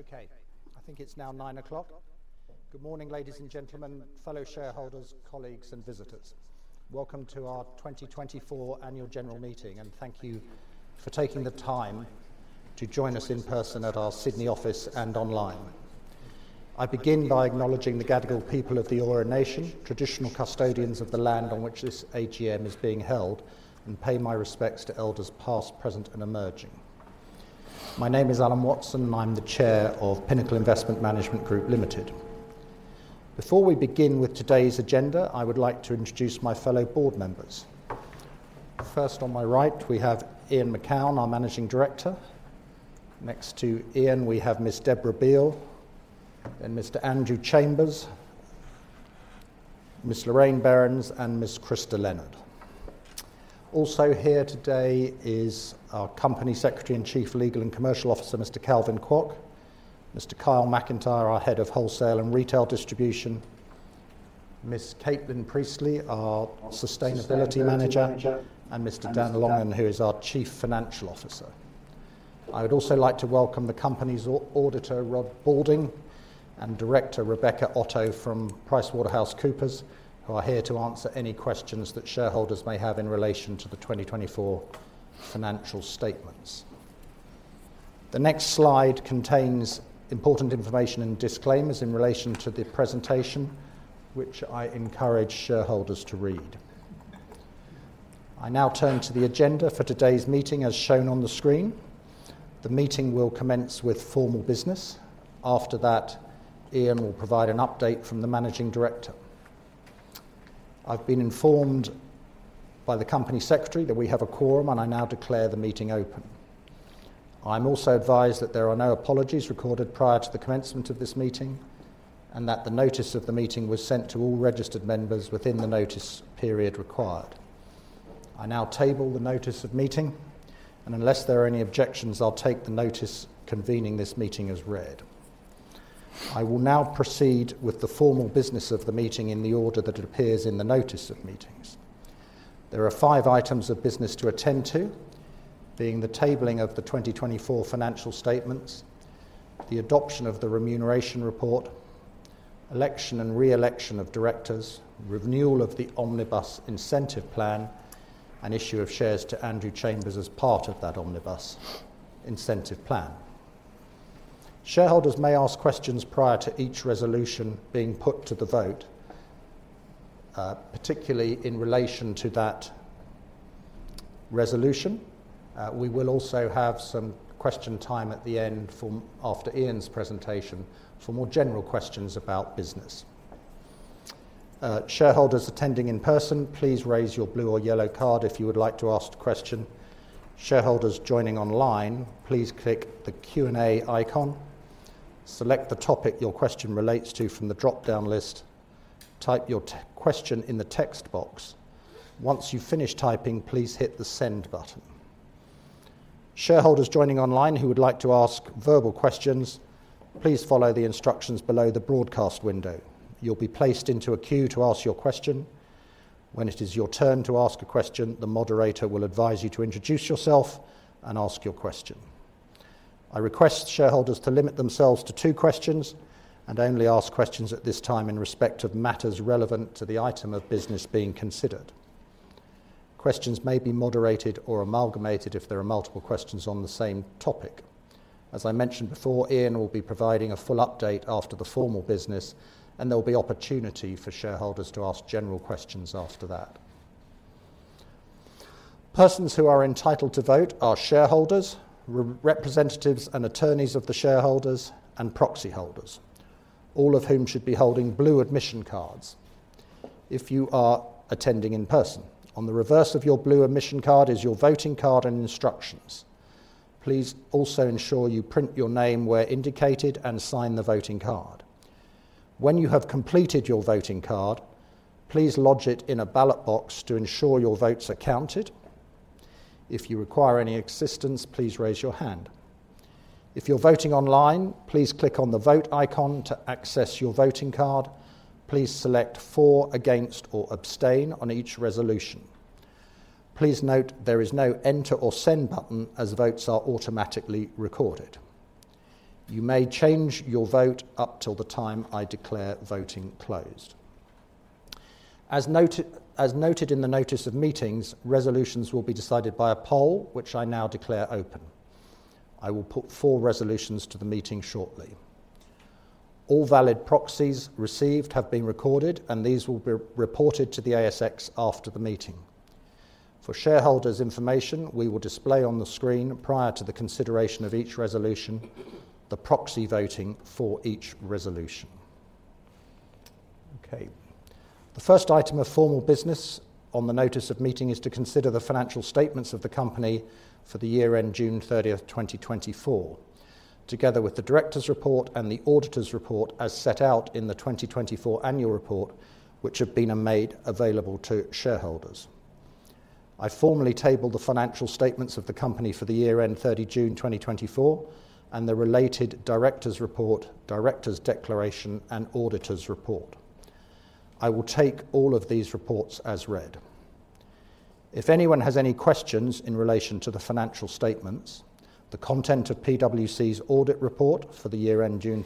Okay, I think it's now 9:00 A.M. Good morning, ladies and gentlemen, fellow shareholders, colleagues, and visitors. Welcome to our twenty twenty-four annual general meeting, and thank you for taking the time to join us in person at our Sydney office and online. I begin by acknowledging the Gadigal people of the Eora Nation, traditional custodians of the land on which this AGM is being held, and pay my respects to elders past, present, and emerging. My name is Alan Watson, and I'm the Chair of Pinnacle Investment Management Group Limited. Before we begin with today's agenda, I would like to introduce my fellow board members. First, on my right, we have Ian Macoun, our Managing Director. Next to Ian, we have Ms. Deborah Beale, then Mr. Andrew Chambers, Ms. Lorraine Berends, and Ms. Christa Lenard. Also here today is our Company Secretary and Chief Legal and Commercial Officer, Mr. Calvin Kwok, Mr. Kyle Macintyre, our Head of Wholesale and Retail Distribution, Ms. Caitlin Priestley, our Sustainability Manager, and Mr. Dan Longan, who is our Chief Financial Officer. I would also like to welcome the company's Auditor, Rod Balding, and Director Rebecca Otto from PricewaterhouseCoopers, who are here to answer any questions that shareholders may have in relation to the twenty twenty-four financial statements. The next slide contains important information and disclaimers in relation to the presentation, which I encourage shareholders to read. I now turn to the agenda for today's meeting, as shown on the screen. The meeting will commence with formal business. After that, Ian will provide an update from the Managing Director. I've been informed by the Company Secretary that we have a quorum, and I now declare the meeting open. I'm also advised that there are no apologies recorded prior to the commencement of this meeting, and that the notice of the meeting was sent to all registered members within the notice period required. I now table the notice of meeting, and unless there are any objections, I'll take the notice convening this meeting as read. I will now proceed with the formal business of the meeting in the order that it appears in the notice of meetings. There are five items of business to attend to, being the tabling of the twenty twenty-four financial statements, the adoption of the remuneration report, election and re-election of directors, renewal of the Omnibus Incentive Plan, and issue of shares to Andrew Chambers as part of that Omnibus Incentive Plan. Shareholders may ask questions prior to each resolution being put to the vote, particularly in relation to that resolution. We will also have some question time at the end for... after Ian's presentation for more general questions about business. Shareholders attending in person, please raise your blue or yellow card if you would like to ask a question. Shareholders joining online, please click the Q&A icon, select the topic your question relates to from the dropdown list, type your question in the text box. Once you've finished typing, please hit the Send button. Shareholders joining online who would like to ask verbal questions, please follow the instructions below the broadcast window. You'll be placed into a queue to ask your question. When it is your turn to ask a question, the moderator will advise you to introduce yourself and ask your question. I request shareholders to limit themselves to two questions and only ask questions at this time in respect of matters relevant to the item of business being considered. Questions may be moderated or amalgamated if there are multiple questions on the same topic. As I mentioned before, Ian will be providing a full update after the formal business, and there will be opportunity for shareholders to ask general questions after that. Persons who are entitled to vote are shareholders, representatives and attorneys of the shareholders, and proxy holders, all of whom should be holding blue admission cards if you are attending in person. On the reverse of your blue admission card is your voting card and instructions. Please also ensure you print your name where indicated and sign the voting card. When you have completed your voting card, please lodge it in a ballot box to ensure your votes are counted. If you require any assistance, please raise your hand. If you're voting online, please click on the Vote icon to access your voting card. Please select For, Against, or Abstain on each resolution. Please note there is no Enter or Send button, as votes are automatically recorded. You may change your vote up till the time I declare voting closed. As noted in the notice of meetings, resolutions will be decided by a poll, which I now declare open. I will put four resolutions to the meeting shortly. All valid proxies received have been recorded, and these will be reported to the ASX after the meeting. For shareholders' information, we will display on the screen, prior to the consideration of each resolution, the proxy voting for each resolution. Okay. The first item of formal business on the notice of meeting is to consider the financial statements of the company for the year end June thirtieth, twenty twenty-four, together with the directors' report and the auditors' report, as set out in the twenty twenty-four annual report, which have been made available to shareholders. I formally table the financial statements of the company for the year end thirty June 2024 and the related directors' report, directors' declaration, and auditors' report. I will take all of these reports as read. If anyone has any questions in relation to the financial statements, the content of PwC's audit report for the year end June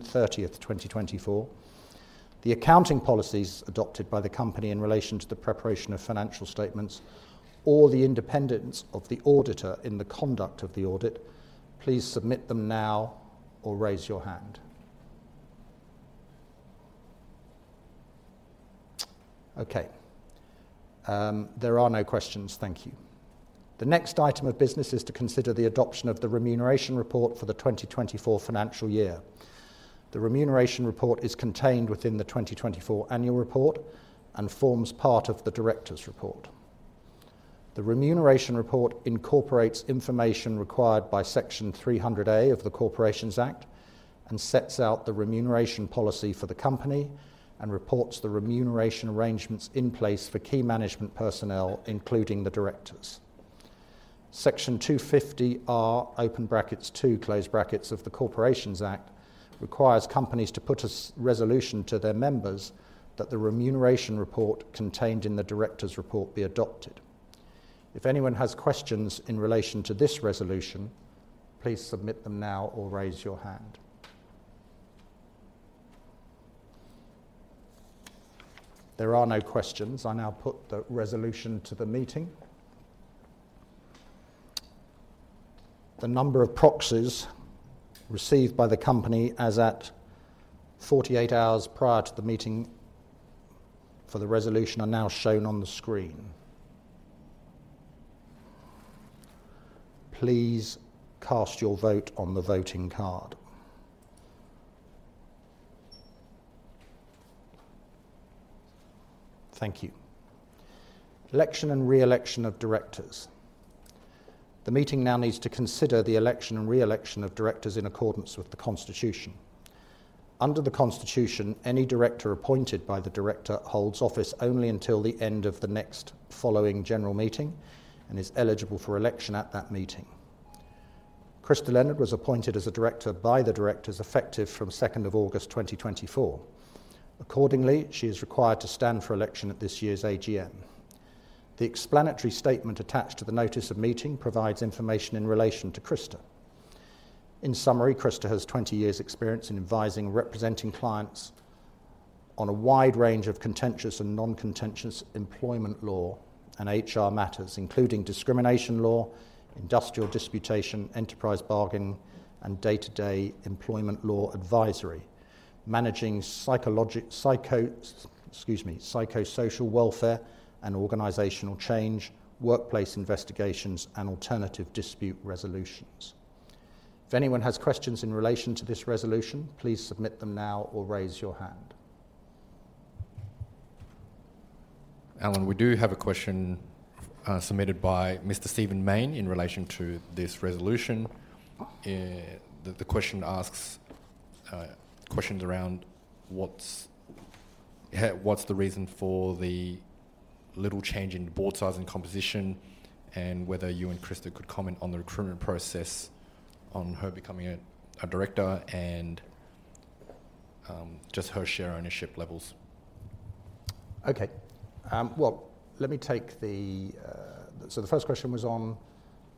thirtieth, twenty twenty-four, the accounting policies adopted by the company in relation to the preparation of financial statements or the independence of the auditor in the conduct of the audit, please submit them now or raise your hand. Okay, there are no questions. Thank you. The next item of business is to consider the adoption of the remuneration report for the twenty twenty-four financial year. The remuneration report is contained within the twenty twenty-four annual report and forms part of the directors' report. The remuneration report incorporates information required by Section 300A of the Corporations Act, and sets out the remuneration policy for the company, and reports the remuneration arrangements in place for key management personnel, including the directors. Section 250R(2) of the Corporations Act requires companies to put a resolution to their members that the remuneration report contained in the directors' report be adopted. If anyone has questions in relation to this resolution, please submit them now or raise your hand. There are no questions. I now put the resolution to the meeting. The number of proxies received by the company as at 48 hours prior to the meeting for the resolution are now shown on the screen. Please cast your vote on the voting card. Thank you. Election and re-election of directors. The meeting now needs to consider the election and re-election of directors in accordance with the Constitution. Under the Constitution, any director appointed by the director holds office only until the end of the next following general meeting and is eligible for election at that meeting. Krista Leonard was appointed as a director by the directors, effective from second of August 2024. Accordingly, she is required to stand for election at this year's AGM. The explanatory statement attached to the notice of meeting provides information in relation to Krista. In summary, Krista has twenty years' experience in advising and representing clients on a wide range of contentious and non-contentious employment law and HR matters, including discrimination law, industrial disputation, enterprise bargaining, and day-to-day employment law advisory, managing psychosocial welfare and organizational change, workplace investigations, and alternative dispute resolutions. Excuse me. If anyone has questions in relation to this resolution, please submit them now or raise your hand. Alan, we do have a question submitted by Mr. Stephen Mayne in relation to this resolution. The question asks questions around what's the reason for the little change in board size and composition, and whether you and Krista could comment on the recruitment process on her becoming a director and just her share ownership levels. Okay. Well, let me take the. So the first question was on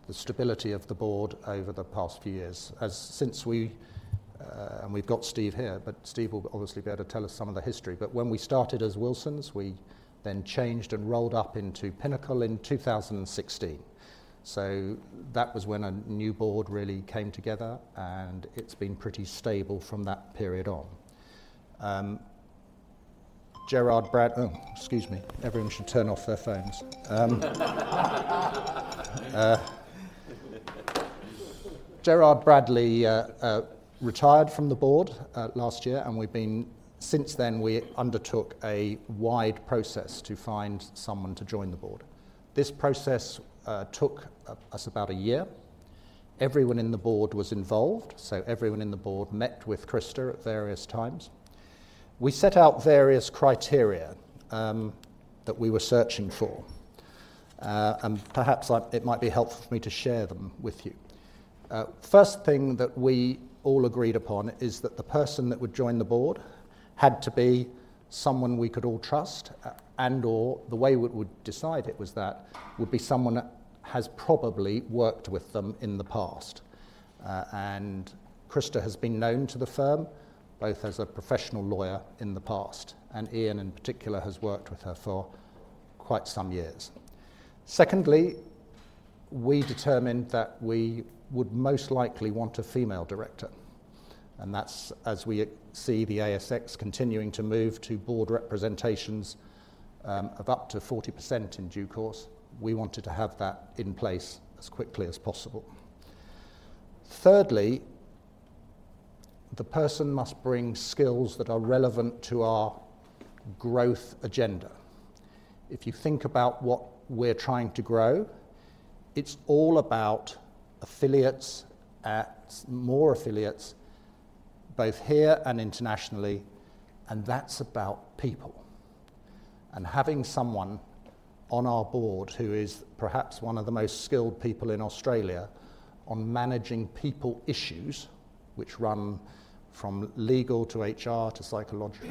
the stability of the board over the past few years. As since we, and we've got Steve here, but Steve will obviously be able to tell us some of the history. But when we started as Wilsons, we then changed and rolled up into Pinnacle in 2016. So that was when a new board really came together, and it's been pretty stable from that period on. Gerard Brad- Oh, excuse me. Everyone should turn off their phones. Gerard Bradley retired from the board last year, and we've been. Since then, we undertook a wide process to find someone to join the board. This process took us about a year. Everyone in the board was involved, so everyone in the board met with Krista at various times. We set out various criteria that we were searching for, and perhaps I, it might be helpful for me to share them with you. First thing that we all agreed upon is that the person that would join the board had to be someone we could all trust, and the way we decide it was that would be someone that has probably worked with them in the past. And Krista has been known to the firm, both as a professional lawyer in the past, and Ian, in particular, has worked with her for quite some years. Secondly, we determined that we would most likely want a female director, and that's as we see the ASX continuing to move to board representations of up to 40% in due course. We wanted to have that in place as quickly as possible. Thirdly, the person must bring skills that are relevant to our growth agenda. If you think about what we're trying to grow, it's all about affiliates, more affiliates, both here and internationally, and that's about people. And having someone on our board, who is perhaps one of the most skilled people in Australia on managing people issues, which run from legal to HR to psychological,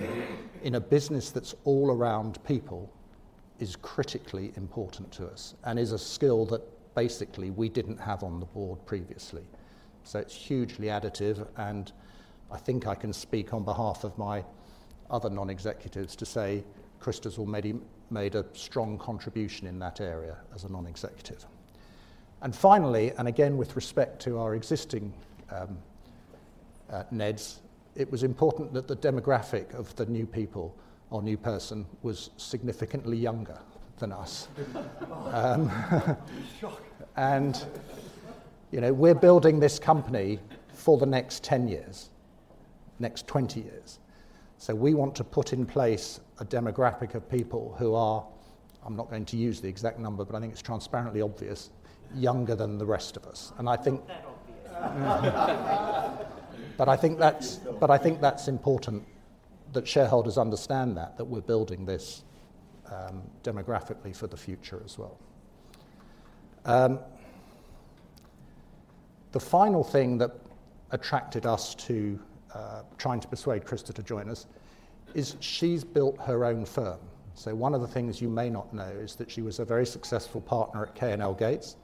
in a business that's all around people, is critically important to us, and is a skill that basically we didn't have on the board previously. So it's hugely additive, and I think I can speak on behalf of my other non-executives to say Krista's already made a strong contribution in that area as a non-executive. And finally, and again, with respect to our existing NEDs, it was important that the demographic of the new people or new person was significantly younger than us. Shock! And, you know, we're building this company for the next ten years, next twenty years. So we want to put in place a demographic of people who are. I'm not going to use the exact number, but I think it's transparently obvious, younger than the rest of us. And I think- Not that obvious. But I think that's- Still. But I think that's important that shareholders understand that we're building this demographically for the future as well. The final thing that attracted us to trying to persuade Krista to join us is she's built her own firm. So one of the things you may not know is that she was a very successful partner at K&L Gates,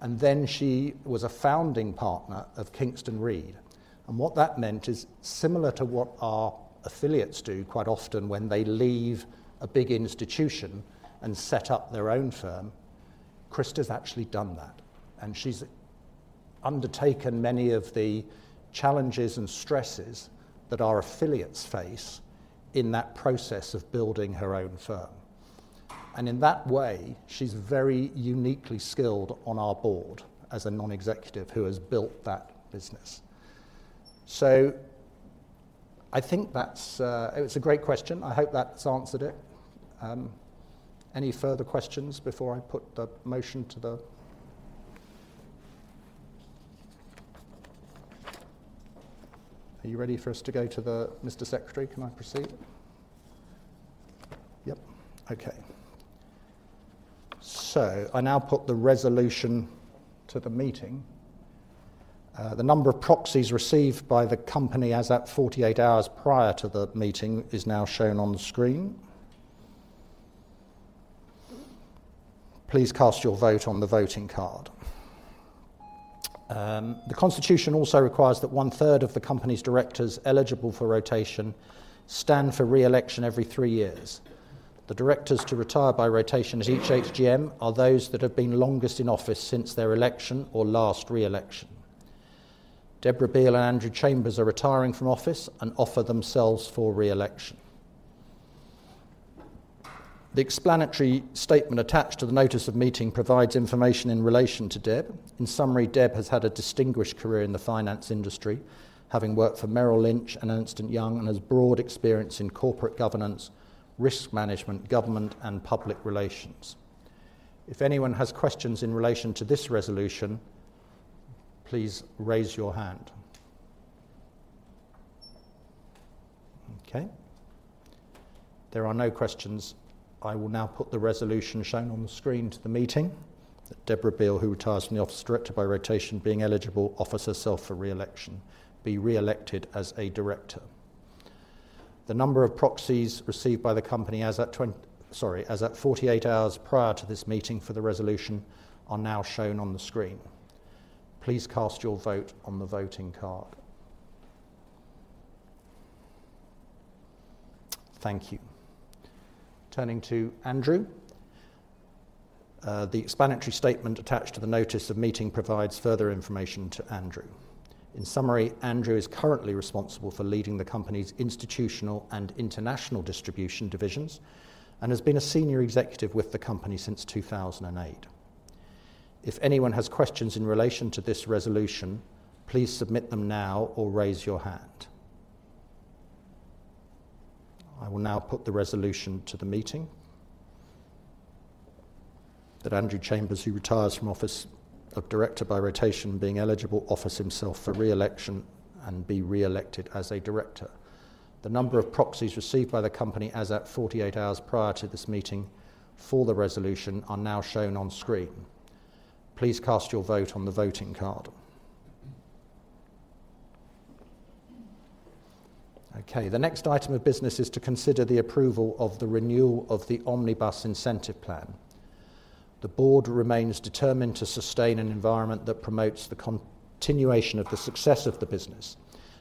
and then she was a founding partner of Kingston Reid. And what that meant is, similar to what our affiliates do quite often when they leave a big institution and set up their own firm, Krista's actually done that, and she's undertaken many of the challenges and stresses that our affiliates face in that process of building her own firm. And in that way, she's very uniquely skilled on our board as a non-executive who has built that business. So I think that's. It's a great question. I hope that's answered it. Any further questions before I put the motion to the... Are you ready for us to go to the, Mr. Secretary, can I proceed? Yep. Okay. So I now put the resolution to the meeting. The number of proxies received by the company as at forty-eight hours prior to the meeting is now shown on the screen. Please cast your vote on the voting card. The constitution also requires that one-third of the company's directors eligible for rotation stand for re-election every three years. The directors to retire by rotation at each AGM are those that have been longest in office since their election or last re-election. Deborah Beale and Andrew Chambers are retiring from office and offer themselves for re-election. The explanatory statement attached to the notice of meeting provides information in relation to Deb. In summary, Deb has had a distinguished career in the finance industry, having worked for Merrill Lynch and Ernst & Young, and has broad experience in corporate governance, risk management, government, and public relations. If anyone has questions in relation to this resolution, please raise your hand. Okay, there are no questions. I will now put the resolution shown on the screen to the meeting: that Deborah Beale, who retires from the office of Director by rotation, being eligible, offers herself for re-election, be re-elected as a director. The number of proxies received by the company as at forty-eight hours prior to this meeting for the resolution are now shown on the screen. Please cast your vote on the voting card. Thank you. Turning to Andrew. The explanatory statement attached to the notice of meeting provides further information to Andrew. In summary, Andrew is currently responsible for leading the company's institutional and international distribution divisions, and has been a senior executive with the company since 2008. If anyone has questions in relation to this resolution, please submit them now or raise your hand. I will now put the resolution to the meeting: that Andrew Chambers, who retires from office of Director by rotation, being eligible, offers himself for re-election and be re-elected as a director. The number of proxies received by the company as at 48 hours prior to this meeting for the resolution are now shown on screen. Please cast your vote on the voting card. Okay, the next item of business is to consider the approval of the renewal of the Omnibus Incentive Plan. The board remains determined to sustain an environment that promotes the continuation of the success of the business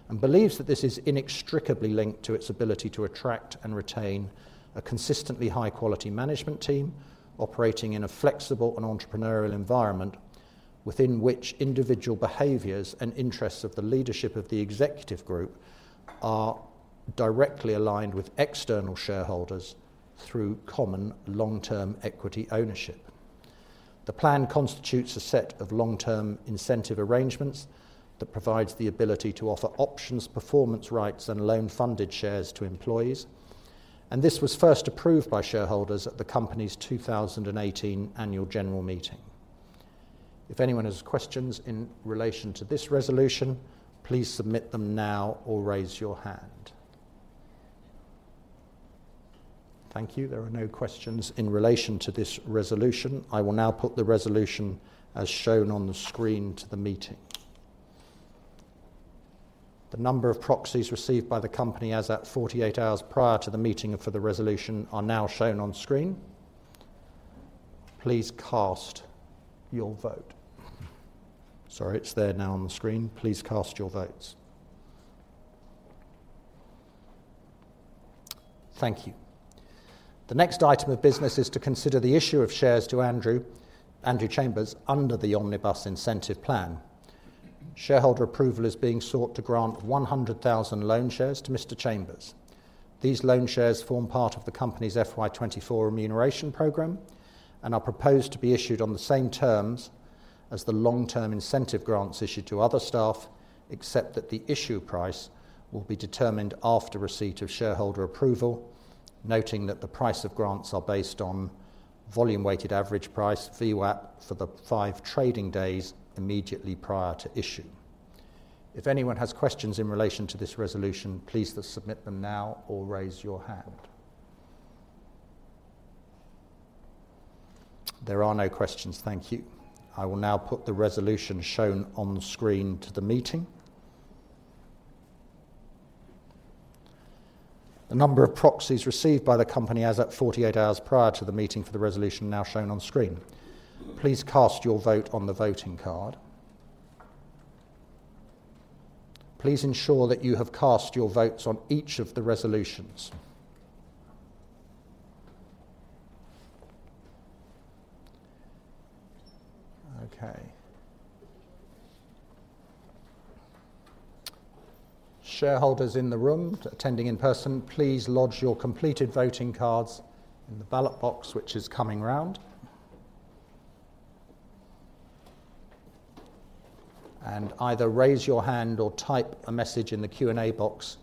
and believes that this is inextricably linked to its ability to attract and retain a consistently high-quality management team, operating in a flexible and entrepreneurial environment, within which individual behaviors and interests of the leadership of the executive group are directly aligned with external shareholders through common long-term equity ownership. The plan constitutes a set of long-term incentive arrangements that provides the ability to offer options, performance rights, and loan-funded shares to employees, and this was first approved by shareholders at the company's 2018 annual general meeting. If anyone has questions in relation to this resolution, please submit them now or raise your hand. Thank you. There are no questions in relation to this resolution. I will now put the resolution as shown on the screen to the meeting. The number of proxies received by the company as at 48 hours prior to the meeting for the resolution are now shown on screen. Please cast your vote. Sorry, it's there now on the screen. Please cast your votes. Thank you. The next item of business is to consider the issue of shares to Andrew, Andrew Chambers, under the Omnibus Incentive Plan. Shareholder approval is being sought to grant 100,000 loan shares to Mr. Chambers. These loan shares form part of the company's FY 2024 remuneration program and are proposed to be issued on the same terms as the long-term incentive grants issued to other staff, except that the issue price will be determined after receipt of shareholder approval, noting that the price of grants are based on volume-weighted average price, VWAP, for the five trading days immediately prior to issue. If anyone has questions in relation to this resolution, please submit them now or raise your hand. There are no questions. Thank you. I will now put the resolution shown on the screen to the meeting. The number of proxies received by the company as at forty-eight hours prior to the meeting for the resolution now shown on screen. Please cast your vote on the voting card. Please ensure that you have cast your votes on each of the resolutions. Okay. Shareholders in the room attending in person, please lodge your completed voting cards in the ballot box, which is coming round, and either raise your hand or type a message in the Q&A box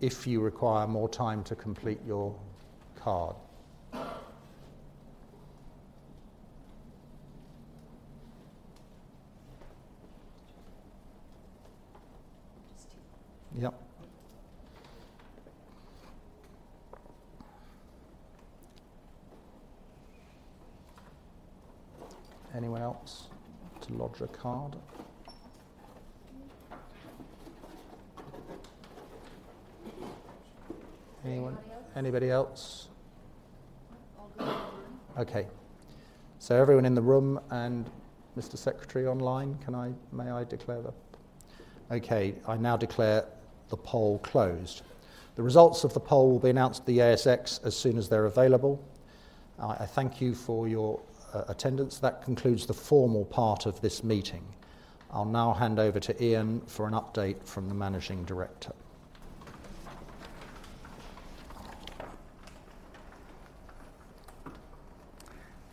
if you require more time to complete your card. Yep. Anyone else to lodge a card? Anyone else? Anybody else? All good online. Okay, so everyone in the room and Mr. Secretary online, can I, may I declare the... Okay, I now declare the poll closed. The results of the poll will be announced to the ASX as soon as they're available. I thank you for your attendance. That concludes the formal part of this meeting. I'll now hand over to Ian for an update from the Managing Director.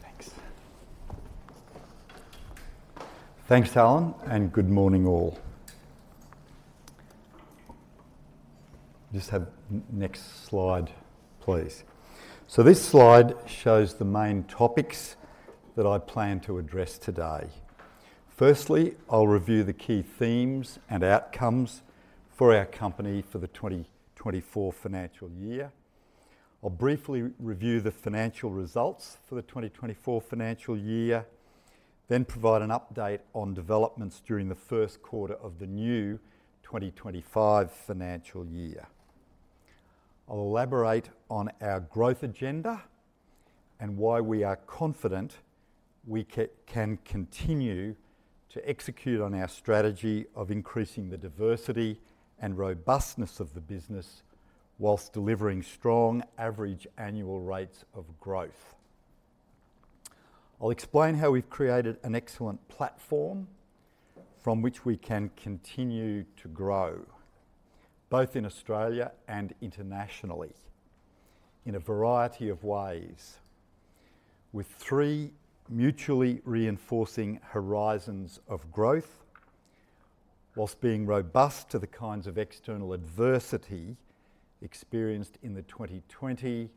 Thanks. Thanks, Alan, and good morning, all. Just have next slide, please. So this slide shows the main topics that I plan to address today. Firstly, I'll review the key themes and outcomes for our company for the twenty twenty-four financial year. I'll briefly review the financial results for the twenty twenty-four financial year, then provide an update on developments during the first quarter of the new twenty twenty-five financial year. I'll elaborate on our growth agenda and why we are confident we can continue to execute on our strategy of increasing the diversity and robustness of the business, while delivering strong average annual rates of growth. I'll explain how we've created an excellent platform from which we can continue to grow, both in Australia and internationally, in a variety of ways, with three mutually reinforcing horizons of growth, whilst being robust to the kinds of external adversity experienced in the 2020,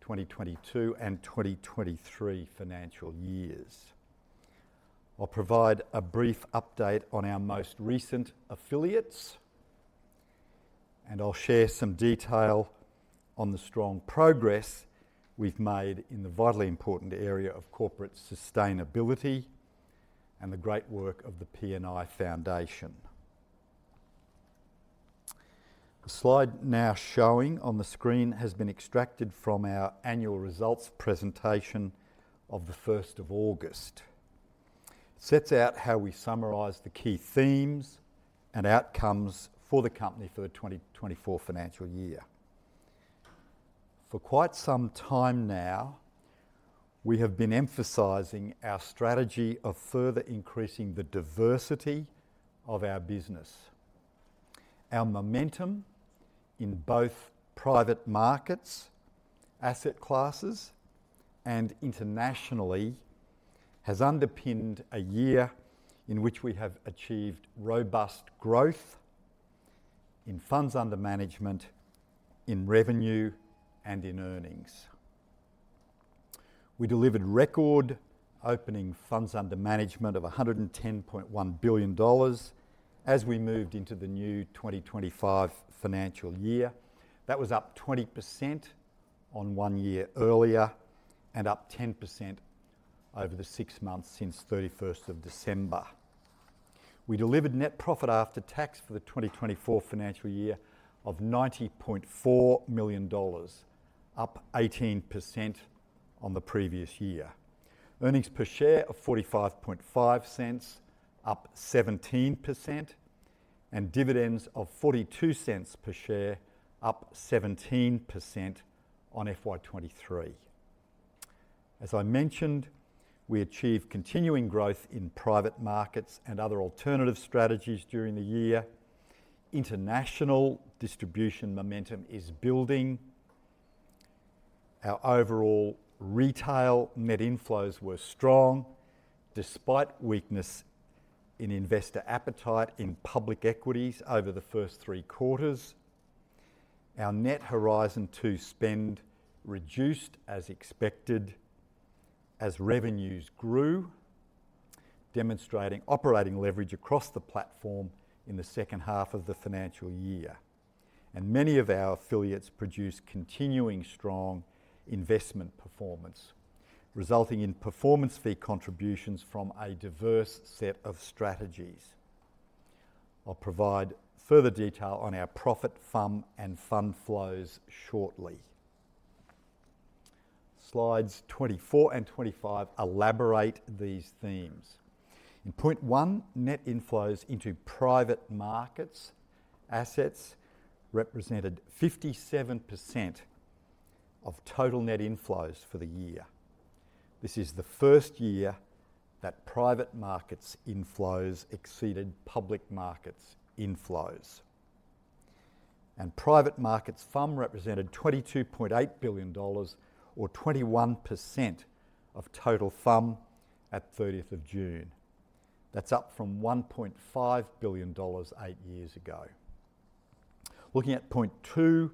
2022, and 2023 financial years. I'll provide a brief update on our most recent affiliates, and I'll share some detail on the strong progress we've made in the vitally important area of corporate sustainability and the great work of the PNI Foundation. The slide now showing on the screen has been extracted from our annual results presentation of the first of August. It sets out how we summarize the key themes and outcomes for the company for the 2024 financial year. For quite some time now, we have been emphasizing our strategy of further increasing the diversity of our business. Our momentum in both private markets, asset classes, and internationally, has underpinned a year in which we have achieved robust growth in funds under management, in revenue, and in earnings. We delivered record opening funds under management of 110.1 billion dollars as we moved into the new 2025 financial year. That was up 20% on one year earlier and up 10% over the six months since thirty-first of December. We delivered net profit after tax for the 2024 financial year of 90.4 million dollars, up 18% on the previous year. Earnings per share of 0.455, up 17%, and dividends of 0.42 per share, up 17% on FY 2023. As I mentioned, we achieved continuing growth in private markets and other alternative strategies during the year. International distribution momentum is building. Our overall retail net inflows were strong, despite weakness in investor appetite in public equities over the first three quarters. Our net Horizon 2 spend reduced as expected as revenues grew, demonstrating operating leverage across the platform in the second half of the financial year, and many of our affiliates produced continuing strong investment performance, resulting in performance fee contributions from a diverse set of strategies. I'll provide further detail on our profit, FUM, and fund flows shortly. Slides 24 and 25 elaborate these themes. In point one, net inflows into private markets assets represented 57% of total net inflows for the year. This is the first year that private markets' inflows exceeded public markets' inflows, and private markets FUM represented 22.8 billion dollars or 21% of total FUM at thirtieth of June. That's up from 1.5 billion dollars eight years ago. Looking at point 2,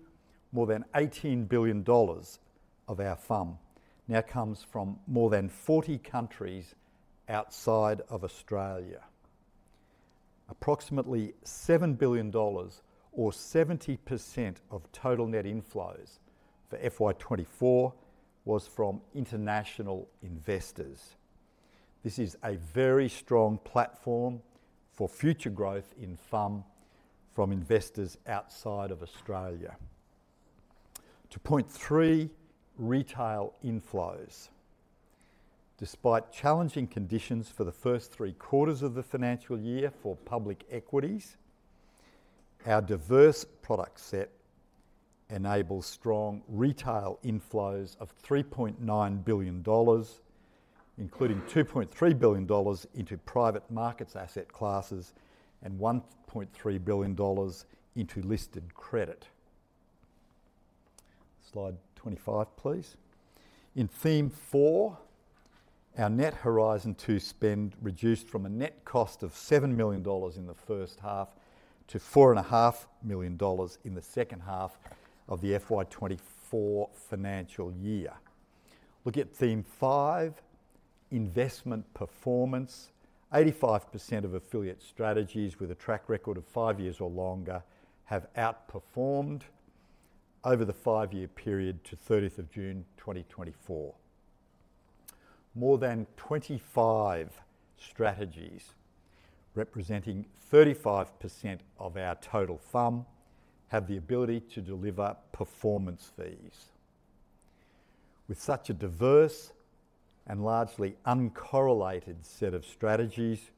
more than $18 billion of our FUM now comes from more than 40 countries outside of Australia. Approximately $7 billion or 70% of total net inflows for FY 2024 was from international investors. This is a very strong platform for future growth in FUM from investors outside of Australia. To point 3, retail inflows. Despite challenging conditions for the first three quarters of the financial year for public equities, our diverse product set enables strong retail inflows of $3.9 billion, including $2.3 billion into private markets asset classes and $1.3 billion into listed credit. Slide 25, please. In theme four, our net Horizon 2 spend reduced from a net cost of 7 million dollars in the first half to 4.5 million dollars in the second half of the FY 2024 financial year. Look at theme five, investment performance. 85% of affiliate strategies with a track record of five years or longer have outperformed over the five-year period to 30th June 2024. More than 25 strategies, representing 35% of our total FUM, have the ability to deliver performance fees. With such a diverse and largely uncorrelated set of strategies,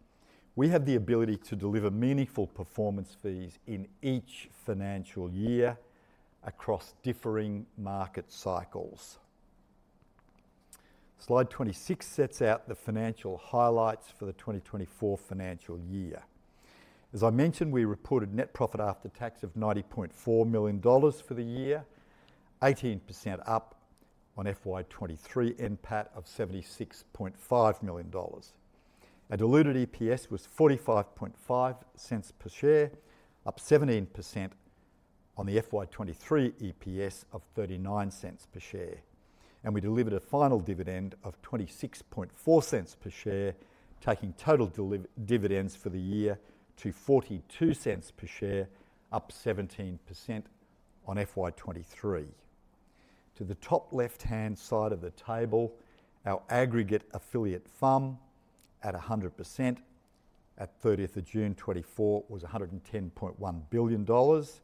we have the ability to deliver meaningful performance fees in each financial year across differing market cycles. Slide 26 sets out the financial highlights for the 2024 financial year. As I mentioned, we reported net profit after tax of 90.4 million dollars for the year, 18% up on FY 2023 NPAT of 76.5 million dollars. Our diluted EPS was 0.455 per share, up 17% on the FY 2023 EPS of 0.39 per share, and we delivered a final dividend of 0.264 per share, taking total dividends for the year to 0.42 per share, up 17% on FY 2023. To the top left-hand side of the table, our aggregate affiliate FUM at a hundred percent at 30th of June 2024 was 110.1 billion dollars.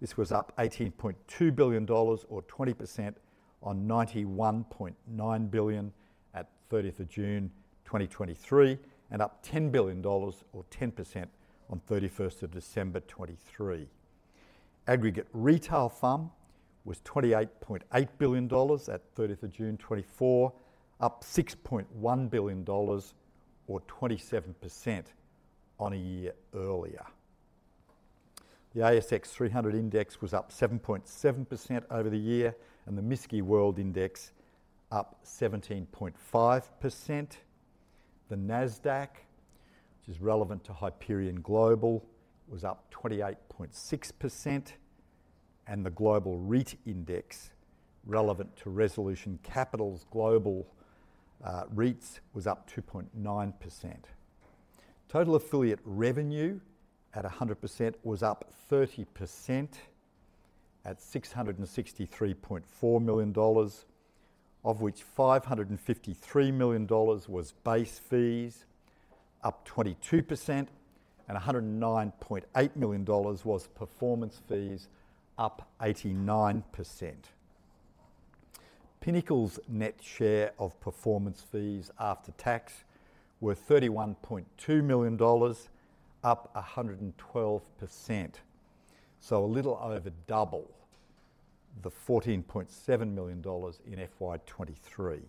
This was up 18.2 billion dollars or 20% on 91.9 billion at 30th of June 2023, and up 10 billion dollars or 10% on 31st of December 2023. Aggregate retail FUM was 28.8 billion dollars at 30th of June 2024, up 6.1 billion dollars or 27% on a year earlier. The ASX 300 index was up 7.7% over the year, and the MSCI World Index up 17.5%. The NASDAQ, which is relevant to Hyperion Global, was up 28.6%, and the Global REIT Index, relevant to Resolution Capital's global REITs, was up 2.9%. Total affiliate revenue at 100% was up 30% at 663.4 million dollars, of which 553 million dollars was base fees, up 22%, and 109.8 million dollars was performance fees, up 89%. Pinnacle's net share of performance fees after tax were 31.2 million dollars, up 112%, so a little over double the 14.7 million dollars in FY 2023.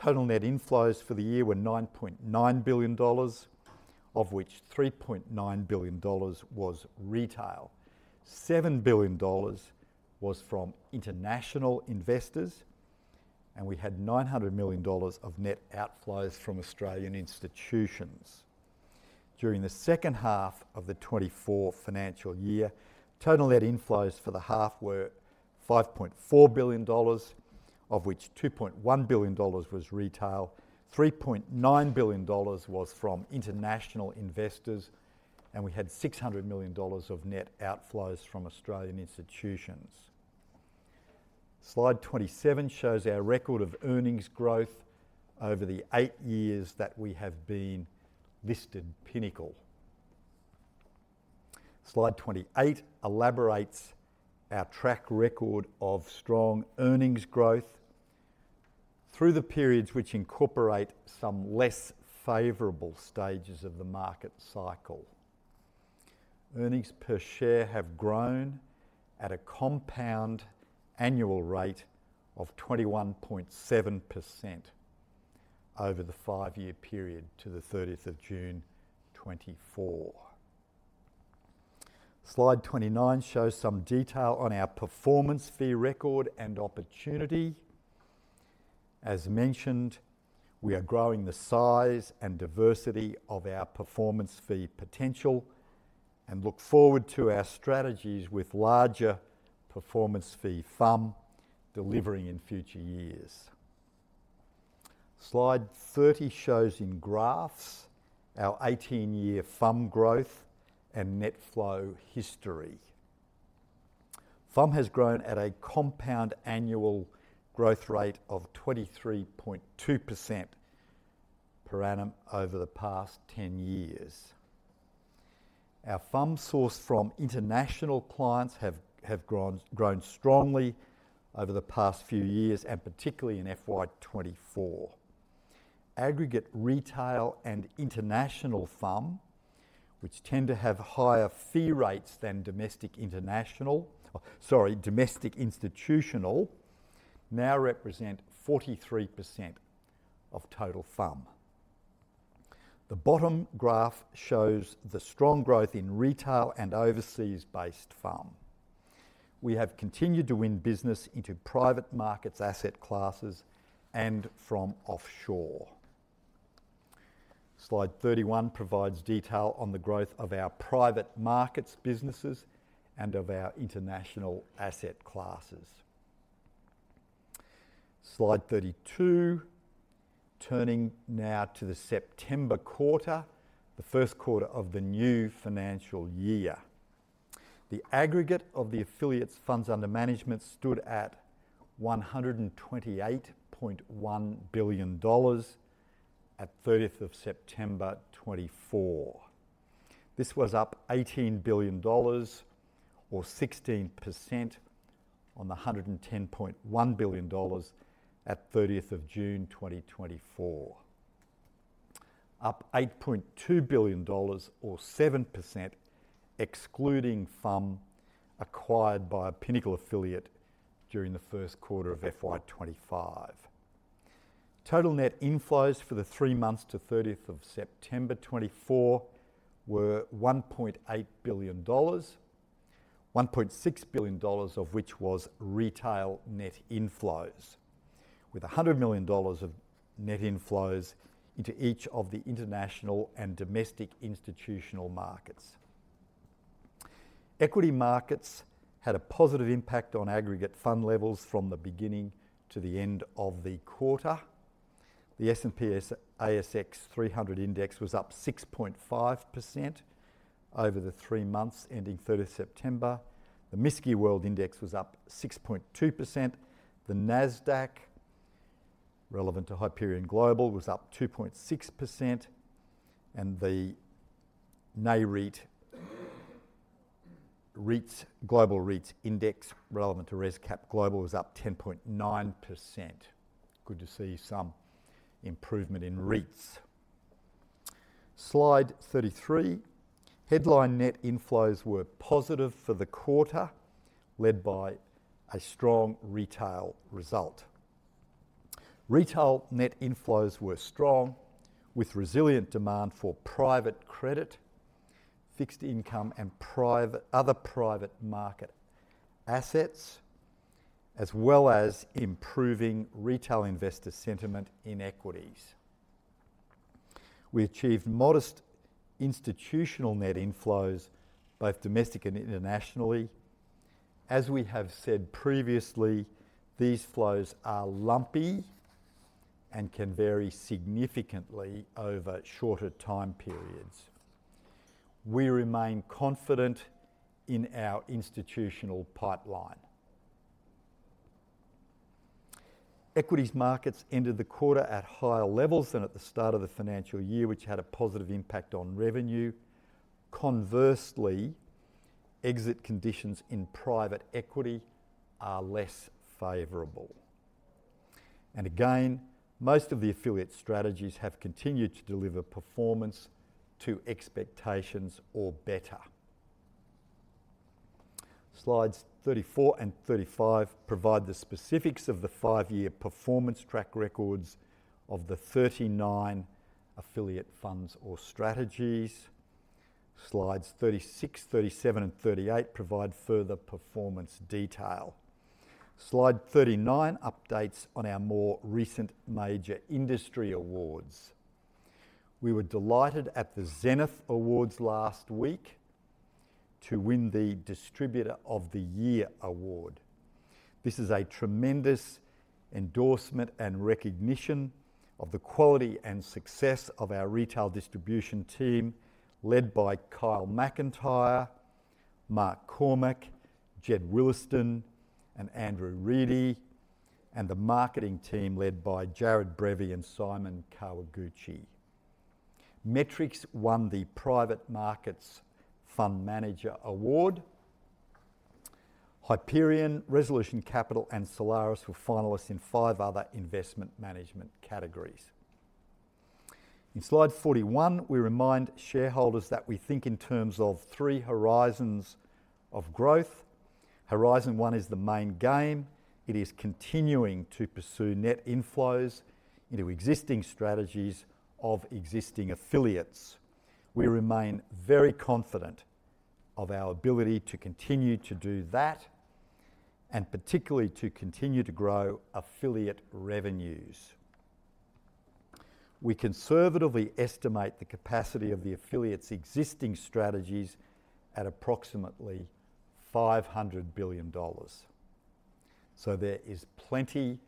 Total net inflows for the year were 9.9 billion dollars, of which 3.9 billion dollars was retail. 7 billion dollars was from international investors, and we had 900 million dollars of net outflows from Australian institutions. During the second half of the 2024 financial year, total net inflows for the half were 5.4 billion dollars, of which 2.1 billion dollars was retail, 3.9 billion dollars was from international investors, and we had 600 million dollars of net outflows from Australian institutions. Slide 27 shows our record of earnings growth over the eight years that we have been listed Pinnacle. Slide 28 elaborates our track record of strong earnings growth through the periods which incorporate some less favorable stages of the market cycle. Earnings per share have grown at a compound annual rate of 21.7% over the five-year period to the 30th of June, 2024. Slide 29 shows some detail on our performance fee record and opportunity. As mentioned, we are growing the size and diversity of our performance fee potential and look forward to our strategies with larger performance fee FUM delivering in future years. Slide 30 shows in graphs our 18-year FUM growth and net flow history. FUM has grown at a compound annual growth rate of 23.2% per annum over the past 10 years. Our FUM sourced from international clients have grown strongly over the past few years, and particularly in FY 2024. Aggregate retail and international FUM, which tend to have higher fee rates than domestic, international... Sorry, domestic institutional, now represent 43% of total FUM. The bottom graph shows the strong growth in retail and overseas-based FUM. We have continued to win business into private markets, asset classes, and from offshore. Slide 31 provides detail on the growth of our private markets businesses and of our international asset classes. Slide 32, turning now to the September quarter, the first quarter of the new financial year. The aggregate of the affiliates funds under management stood at 128.1 billion dollars at thirtieth of September, 2024. This was up 18 billion dollars, or 16%, on the 110.1 billion dollars at 30th of June 2024, up AUD 8.2 billion, or 7%, excluding FUM acquired by a Pinnacle affiliate during the first quarter of FY 2025. Total net inflows for the three months to 30th of September 2024 were 1.8 billion dollars, 1.6 billion dollars of which was retail net inflows, with 100 million dollars of net inflows into each of the international and domestic institutional markets. Equity markets had a positive impact on aggregate FUM levels from the beginning to the end of the quarter. The S&P/ASX 300 Index was up 6.5% over the three months ending 30th September. The MSCI World Index was up 6.2%. The NASDAQ, relevant to Hyperion Global, was up 2.6%, and the Nareit Global REITs index, relevant to ResCap Global, was up 10.9%. Good to see some improvement in REITs. Slide 33, headline net inflows were positive for the quarter, led by a strong retail result. Retail net inflows were strong, with resilient demand for private credit, fixed income, and private other private market assets, as well as improving retail investor sentiment in equities. We achieved modest institutional net inflows, both domestic and internationally. As we have said previously, these flows are lumpy and can vary significantly over shorter time periods. We remain confident in our institutional pipeline. Equities markets ended the quarter at higher levels than at the start of the financial year, which had a positive impact on revenue. Conversely, exit conditions in private equity are less favorable. Again, most of the affiliate strategies have continued to deliver performance to expectations or better. Slides 34 and 35 provide the specifics of the five-year performance track records of the 39 affiliate funds or strategies. Slides 36, 37, and 38 provide further performance detail. Slide 39 updates on our more recent major industry awards. We were delighted at the Zenith Awards last week to win the Distributor of the Year award. This is a tremendous endorsement and recognition of the quality and success of our retail distribution team, led by Kyle Macintyre, Mark Cormack, Jed Williston, and Andrew Reidy, and the marketing team led by Jarrad Brevi and Simon Kawaguchi. Metrics won the Private Markets Fund Manager award. Hyperion, Resolution Capital, and Solaris were finalists in five other investment management categories. In slide 41, we remind shareholders that we think in terms of three horizons of growth. Horizon one is the main game. It is continuing to pursue net inflows into existing strategies of existing affiliates. We remain very confident of our ability to continue to do that, and particularly to continue to grow affiliate revenues. We conservatively estimate the capacity of the affiliates' existing strategies at approximately 500 billion dollars. So there is plenty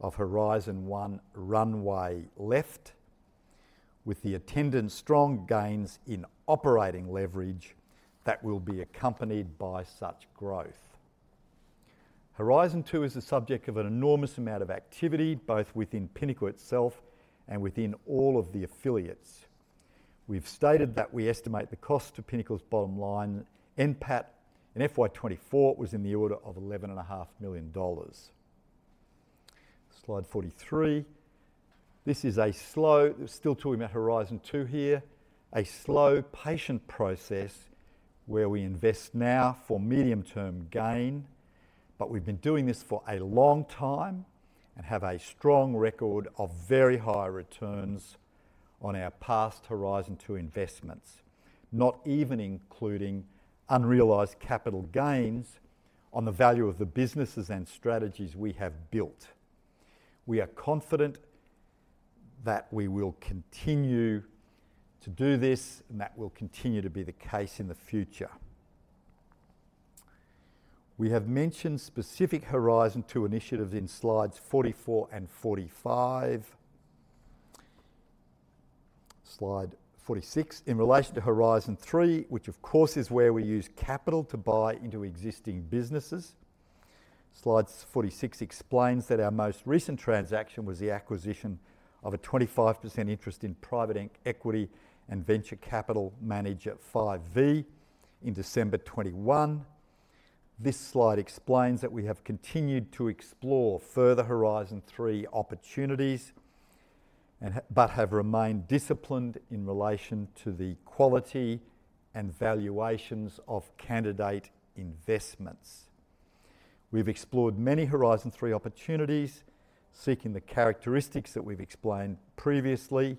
of Horizon One runway left, with the attendant strong gains in operating leverage that will be accompanied by such growth. Horizon Two is the subject of an enormous amount of activity, both within Pinnacle itself and within all of the affiliates. We've stated that we estimate the cost to Pinnacle's bottom line, NPAT, in FY 2024 was in the order of 11.5 million dollars. Slide 43. This is a slow... We're still talking about Horizon Two here, a slow, patient process where we invest now for medium-term gain, but we've been doing this for a long time and have a strong record of very high returns on our past Horizon Two investments, not even including unrealized capital gains on the value of the businesses and strategies we have built. We are confident that we will continue to do this, and that will continue to be the case in the future. We have mentioned specific Horizon Two initiatives in slides 44 and 45. Slide 46. In relation to Horizon Three, which of course, is where we use capital to buy into existing businesses. Slides 46 explains that our most recent transaction was the acquisition of a 25% interest in private equity and venture capital manager Five V in December 2021. This slide explains that we have continued to explore further Horizon 3 opportunities and but have remained disciplined in relation to the quality and valuations of candidate investments. We've explored many Horizon 3 opportunities, seeking the characteristics that we've explained previously.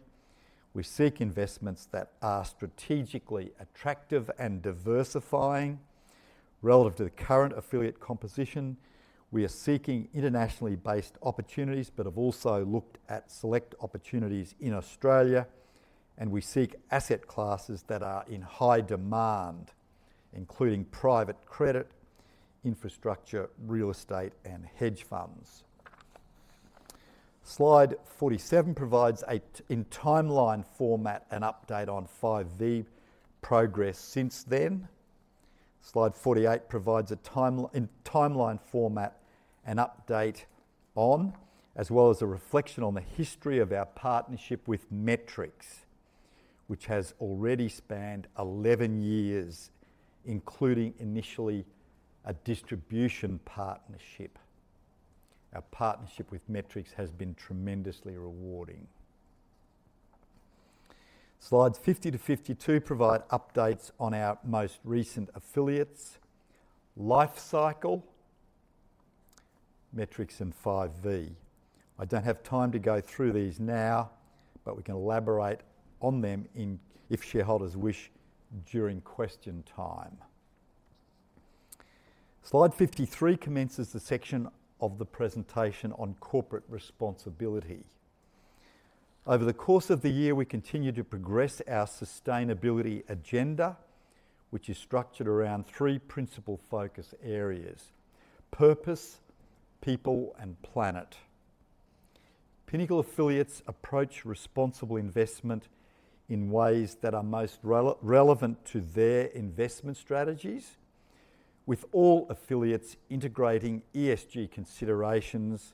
We seek investments that are strategically attractive and diversifying relative to the current affiliate composition. We are seeking internationally based opportunities, but have also looked at select opportunities in Australia, and we seek asset classes that are in high demand, including private credit, infrastructure, real estate, and hedge funds. Slide 47 provides in timeline format an update on Five V progress since then. Slide 48 provides in timeline format an update on, as well as a reflection on the history of our partnership with Metrics, which has already spanned 11 years, including initially a distribution partnership. Our partnership with Metrics has been tremendously rewarding. Slides 50 to 52 provide updates on our most recent affiliates, Lifecycle, Metrics, and Five V. I don't have time to go through these now, but we can elaborate on them in if shareholders wish during question time. Slide 53 commences the section of the presentation on corporate responsibility. Over the course of the year, we continued to progress our sustainability agenda, which is structured around three principal focus areas: purpose, people, and planet. Pinnacle affiliates approach responsible investment in ways that are most relevant to their investment strategies, with all affiliates integrating ESG considerations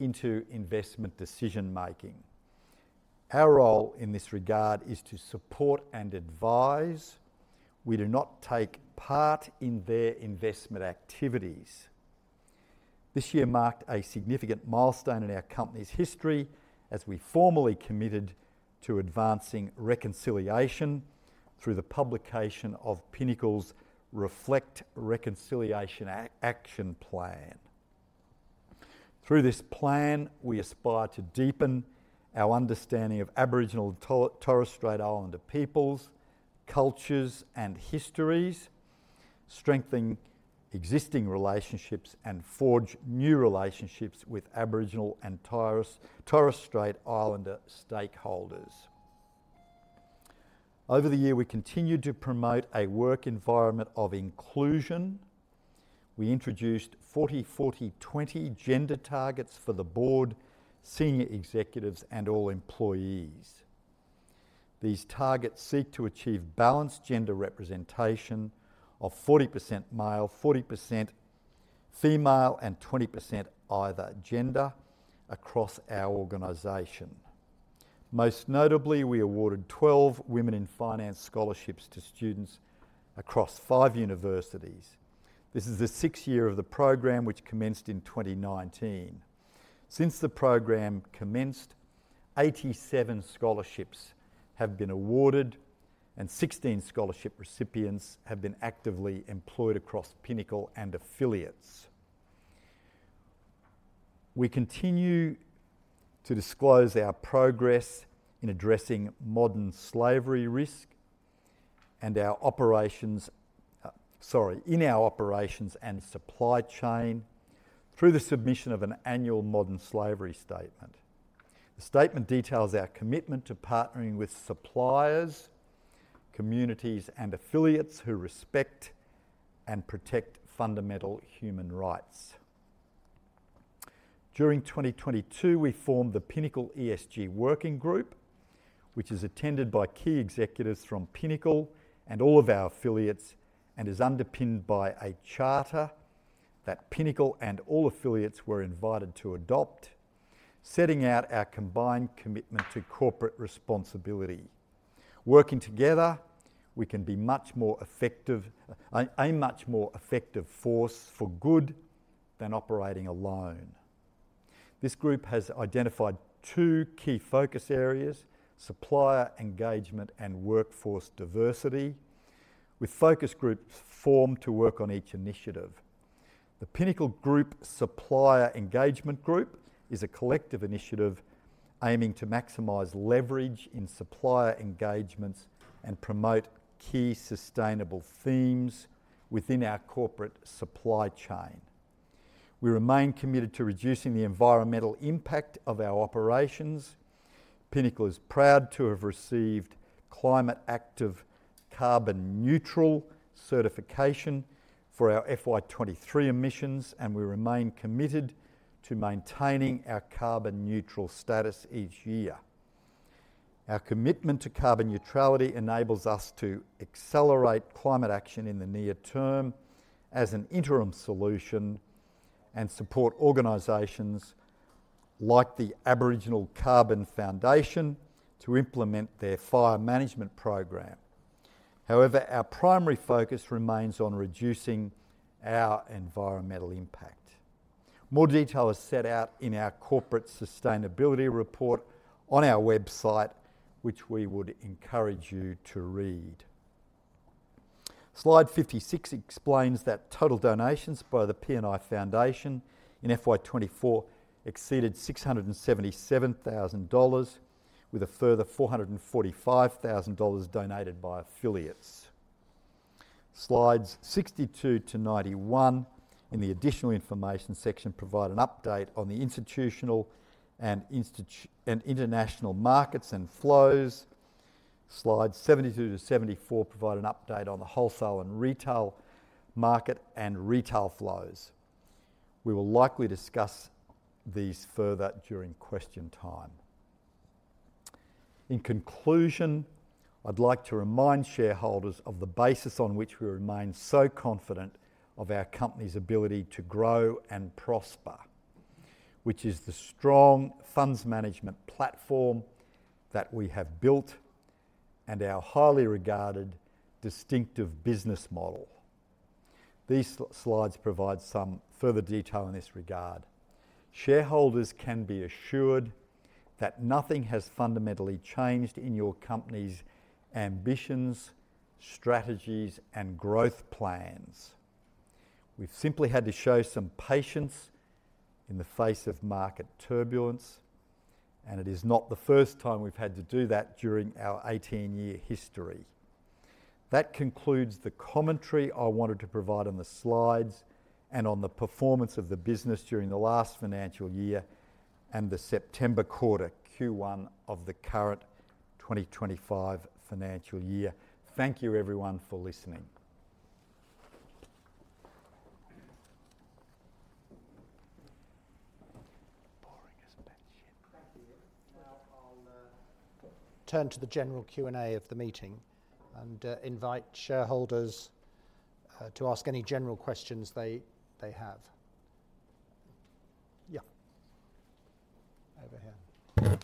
into investment decision-making. Our role in this regard is to support and advise. We do not take part in their investment activities. This year marked a significant milestone in our company's history as we formally committed to advancing reconciliation through the publication of Pinnacle's Reflect Reconciliation Action Plan. Through this plan, we aspire to deepen our understanding of Aboriginal and Torres Strait Islander peoples, cultures, and histories, strengthen existing relationships, and forge new relationships with Aboriginal and Torres Strait Islander stakeholders. Over the year, we continued to promote a work environment of inclusion. We introduced 40/40/20 gender targets for the board, senior executives, and all employees. These targets seek to achieve balanced gender representation of 40% male, 40% female, and 20% either gender across our organization. Most notably, we awarded 12 Women in Finance scholarships to students across 5 universities. This is the sixth year of the program, which commenced in 2019. Since the program commenced, 87 scholarships have been awarded, and 16 scholarship recipients have been actively employed across Pinnacle and affiliates. We continue to disclose our progress in addressing modern slavery risk and our operations. Sorry, in our operations and supply chain through the submission of an annual modern slavery statement. The statement details our commitment to partnering with suppliers, communities, and affiliates who respect and protect fundamental human rights. During 2022, we formed the Pinnacle ESG Working Group, which is attended by key executives from Pinnacle and all of our affiliates, and is underpinned by a charter that Pinnacle and all affiliates were invited to adopt, setting out our combined commitment to corporate responsibility. Working together, we can be much more effective, a much more effective force for good than operating alone. This group has identified two key focus areas: supplier engagement and workforce diversity, with focus groups formed to work on each initiative. The Pinnacle Group Supplier Engagement Group is a collective initiative aiming to maximize leverage in supplier engagements and promote key sustainable themes within our corporate supply chain. We remain committed to reducing the environmental impact of our operations. Pinnacle is proud to have received Climate Active carbon neutral certification for our FY 2023 emissions, and we remain committed to maintaining our carbon neutral status each year. Our commitment to carbon neutrality enables us to accelerate climate action in the near term as an interim solution, and support organizations like the Aboriginal Carbon Foundation to implement their fire management program. However, our primary focus remains on reducing our environmental impact. More detail is set out in our corporate sustainability report on our website, which we would encourage you to read. Slide 56 explains that total donations by the PNI Foundation in FY 2024 exceeded $677,000, with a further $445,000 donated by affiliates. Slides 62 to 91 in the additional information section provide an update on the institutional and international markets and flows. Slides 72 to 74 provide an update on the wholesale and retail market and retail flows. We will likely discuss these further during question time. In conclusion, I'd like to remind shareholders of the basis on which we remain so confident of our company's ability to grow and prosper, which is the strong funds management platform that we have built and our highly regarded distinctive business model. These slides provide some further detail in this regard. Shareholders can be assured that nothing has fundamentally changed in your company's ambitions, strategies, and growth plans.... We've simply had to show some patience in the face of market turbulence, and it is not the first time we've had to do that during our 18-year history. That concludes the commentary I wanted to provide on the slides and on the performance of the business during the last financial year and the September quarter, Q1 of the current twenty twenty-five financial year. Thank you, everyone, for listening. Boring, isn't it? Shit. Thank you. Now, I'll turn to the general Q&A of the meeting and invite shareholders to ask any general questions they have. Yeah. Over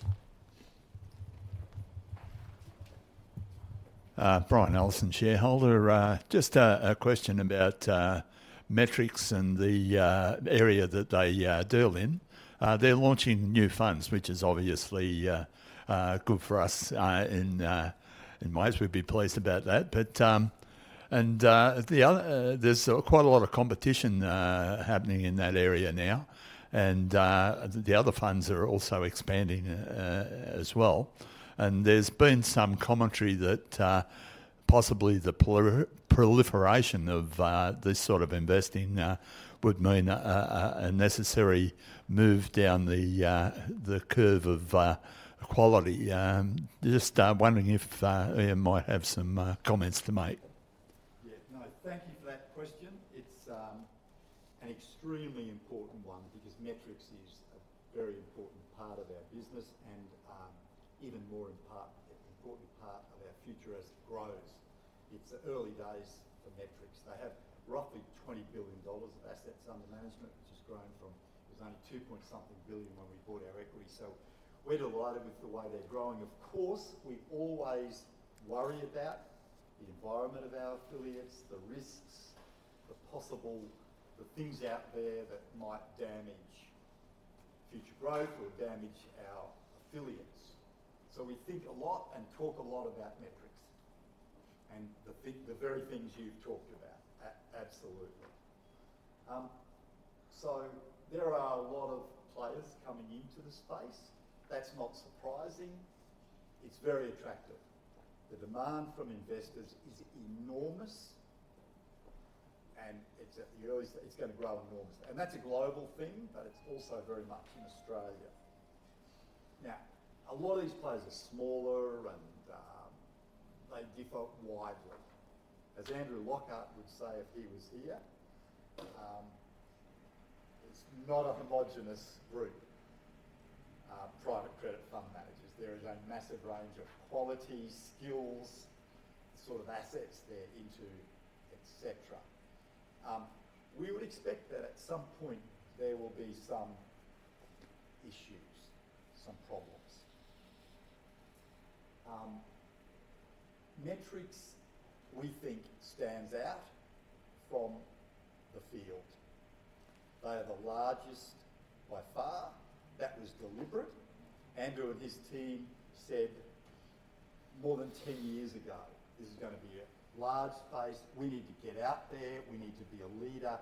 here. Brian Allison, shareholder. Just a question about Metrics and the area that they deal in. They're launching new funds, which is obviously good for us, and in ways we'd be pleased about that. But... And the other, there's quite a lot of competition happening in that area now, and the other funds are also expanding as well. And there's been some commentary that possibly the proliferation of this sort of investing would mean a necessary move down the curve of quality. Just wondering if Ian might have some comments to make. Yeah. No, thank you for that question. It's an extremely important one because Metrics is a very important part of our business and, even more important, important part of our future as it grows. It's early days for Metrics. They have roughly AUD 20 billion of assets under management, which has grown from... It was only two-point-something billion when we bought our equity, so we're delighted with the way they're growing. Of course, we always worry about the environment of our affiliates, the risks, the possible, the things out there that might damage future growth or damage our affiliates. So we think a lot and talk a lot about Metrics and the very things you've talked about. Absolutely. So there are a lot of players coming into the space. That's not surprising. It's very attractive. The demand from investors is enormous, and it's at the early. It's gonna grow enormously. And that's a global thing, but it's also very much in Australia. Now, a lot of these players are smaller, and they differ widely. As Andrew Lockhart would say, if he was here, "It's not a homogeneous group," private credit fund managers. There is a massive range of quality, skills, sort of assets they're into, et cetera. We would expect that at some point there will be some issues, some problems. Metrics, we think, stands out from the field. They are the largest by far. That was deliberate. Andrew and his team said more than ten years ago, "This is gonna be a large space. We need to get out there, we need to be a leader,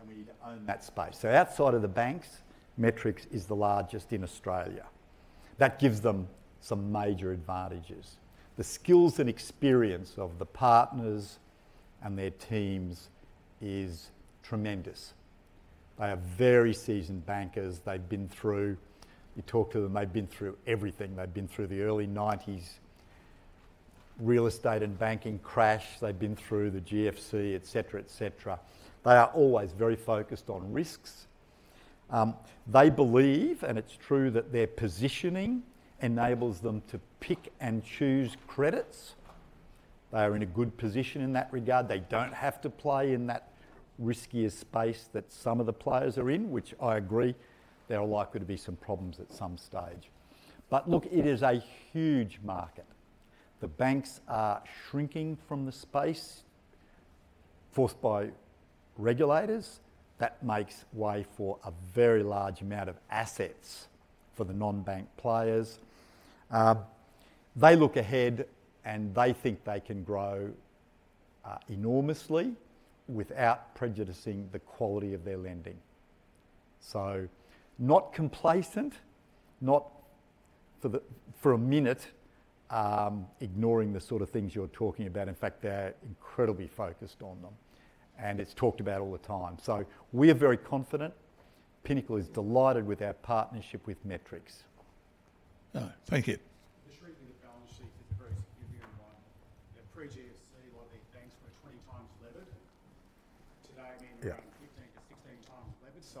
and we need to own that space." So outside of the banks, Metrics is the largest in Australia. That gives them some major advantages. The skills and experience of the partners and their teams is tremendous. They are very seasoned bankers. They've been through... You talk to them, they've been through everything. They've been through the early nineties, real estate and banking crash, they've been through the GFC, et cetera, et cetera. They are always very focused on risks. They believe, and it's true, that their positioning enables them to pick and choose credits. They are in a good position in that regard. They don't have to play in that riskier space that some of the players are in, which I agree, there are likely to be some problems at some stage. But look, it is a huge market. The banks are shrinking from the space, forced by regulators. That makes way for a very large amount of assets for the non-bank players. They look ahead, and they think they can grow enormously without prejudicing the quality of their lending. So not complacent, not for a minute, ignoring the sort of things you're talking about. In fact, they're incredibly focused on them, and it's talked about all the time. So we are very confident. Pinnacle is delighted with our partnership with Metrics. Thank you.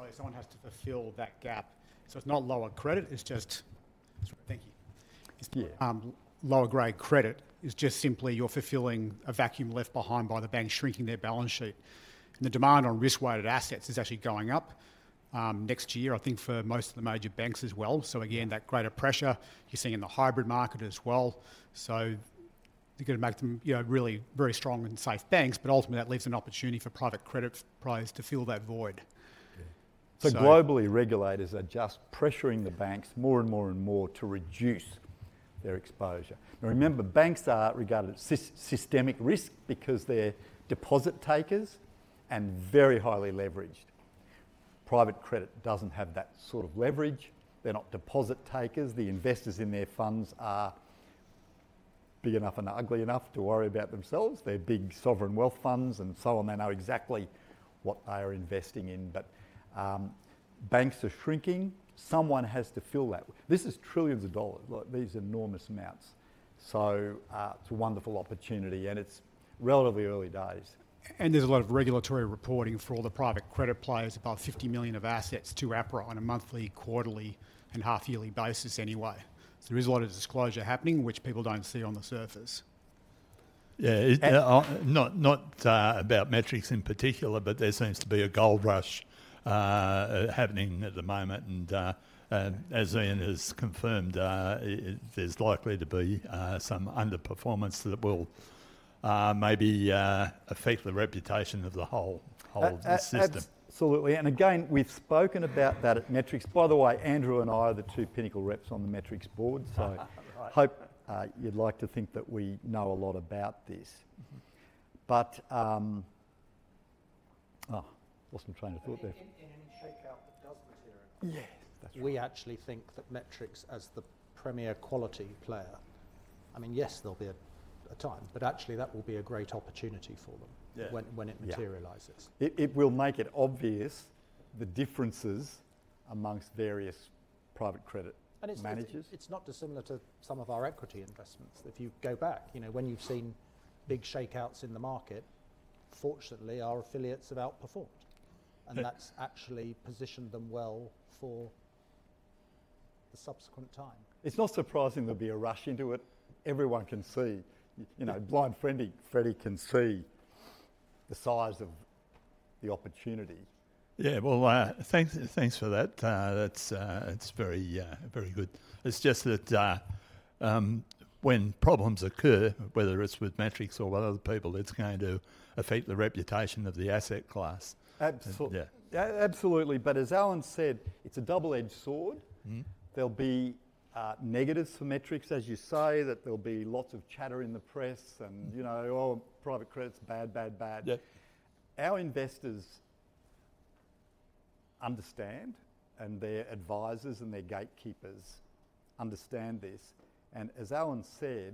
The shrinking of balance sheets is a very significant one. Pre-GFC, a lot of these banks were twenty times levered. Today, I mean- Yeah. 15-16 times levered, so someone has to fulfill that gap. So it's not lower credit, it's just... Thank you. Yeah. Lower grade credit is just simply you're fulfilling a vacuum left behind by the banks shrinking their balance sheet, and the demand on risk-weighted assets is actually going up next year, I think for most of the major banks as well. So again, that greater pressure you're seeing in the hybrid market as well. So you're gonna make them, you know, really very strong and safe banks, but ultimately, that leaves an opportunity for private credit players to fill that void. Yeah. So- So globally, regulators are just pressuring the banks more, and more, and more to reduce their exposure. Now remember, banks are regarded as systemic risk because they're deposit takers and very highly leveraged. Private credit doesn't have that sort of leverage. They're not deposit takers. The investors in their funds are big enough and ugly enough to worry about themselves. They're big sovereign wealth funds and so on. They know exactly what they are investing in. But, banks are shrinking, someone has to fill that. This is trillions of dollars, like, these are enormous amounts. So, it's a wonderful opportunity, and it's relatively early days. There's a lot of regulatory reporting for all the private credit players above 50 million of assets to APRA on a monthly, quarterly, and half-yearly basis anyway. There is a lot of disclosure happening, which people don't see on the surface. Yeah, it's not about Metrics in particular, but there seems to be a gold rush happening at the moment, and as Ian has confirmed, there's likely to be some underperformance that will maybe affect the reputation of the whole system. Absolutely. And again, we've spoken about that at Metrics. By the way, Andrew and I are the two Pinnacle reps on the Metrics board, so I hope you'd like to think that we know a lot about this. But... Oh, lost my train of thought there. In any shakeout that does materialize- Yes, that's right.... we actually think that Metrics as the premier quality player, I mean, yes, there'll be a time, but actually that will be a great opportunity for them- Yeah... when it materializes. It will make it obvious the differences among various private credit managers. It's not dissimilar to some of our equity investments. If you go back, you know, when you've seen big shakeouts in the market, fortunately, our affiliates have outperformed. Yeah... and that's actually positioned them well for the subsequent time. It's not surprising there'll be a rush into it. Everyone can see, you know, blind Freddy, Freddy can see the size of the opportunity. Yeah, well, thanks, thanks for that. That's, it's very, very good. It's just that, when problems occur, whether it's with Metrics or with other people, it's going to affect the reputation of the asset class. Absolutely. Yeah. Absolutely, but as Alan said, it's a double-edged sword. Mm-hmm. There'll be negatives for Metrics, as you say, that there'll be lots of chatter in the press and, you know, "Oh, private credit's bad, bad, bad. Yeah. Our investors understand, and their advisors and their gatekeepers understand this, and as Alan said,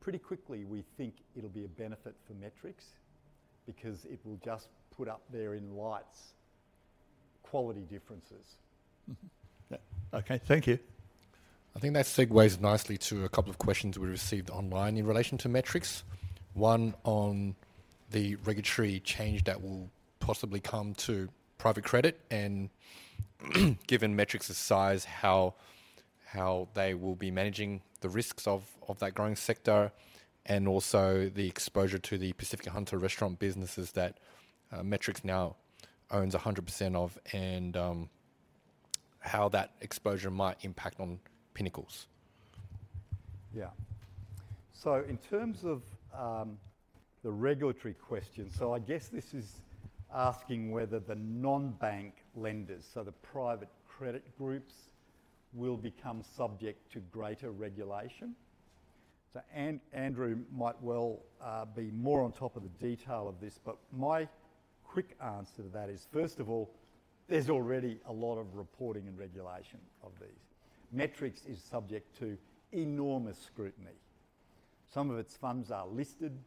pretty quickly, we think it'll be a benefit for Metrics because it will just put up there in lights quality differences. Mm-hmm. Yeah. Okay, thank you. I think that segues nicely to a couple of questions we received online in relation to Metrics. One on the regulatory change that will possibly come to private credit, and given Metrics' size, how they will be managing the risks of that growing sector, and also the exposure to the Pacific Hunter restaurant businesses that Metrics now owns 100% of, and how that exposure might impact on Pinnacle's. Yeah. So in terms of the regulatory question, so I guess this is asking whether the non-bank lenders, so the private credit groups, will become subject to greater regulation. So Andrew might well be more on top of the detail of this, but my quick answer to that is, first of all, there's already a lot of reporting and regulation of these. Metrics is subject to enormous scrutiny. Some of its funds are listed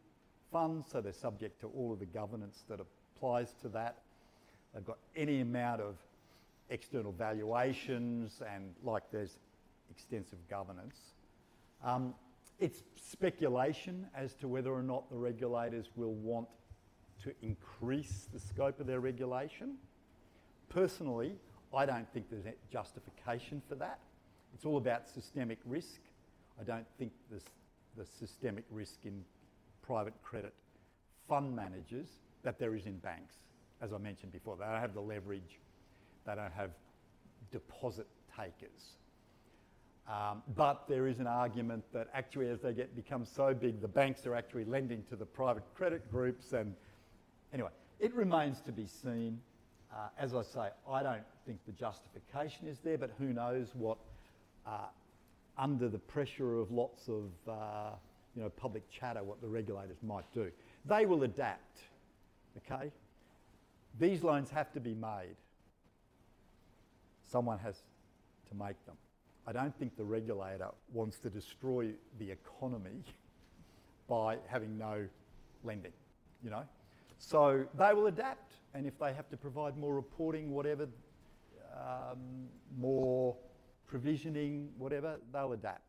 funds, so they're subject to all of the governance that applies to that. They've got any amount of external valuations, and, like, there's extensive governance. It's speculation as to whether or not the regulators will want to increase the scope of their regulation. Personally, I don't think there's any justification for that. It's all about systemic risk. I don't think there's the systemic risk in private credit fund managers that there is in banks. As I mentioned before, they don't have the leverage, they don't have deposit takers. But there is an argument that actually, as they become so big, the banks are actually lending to the private credit groups and. Anyway, it remains to be seen. As I say, I don't think the justification is there, but who knows what, under the pressure of lots of, you know, public chatter, what the regulators might do. They will adapt, okay? These loans have to be made. Someone has to make them. I don't think the regulator wants to destroy the economy by having no lending, you know? So they will adapt, and if they have to provide more reporting, whatever, more provisioning, whatever, they'll adapt.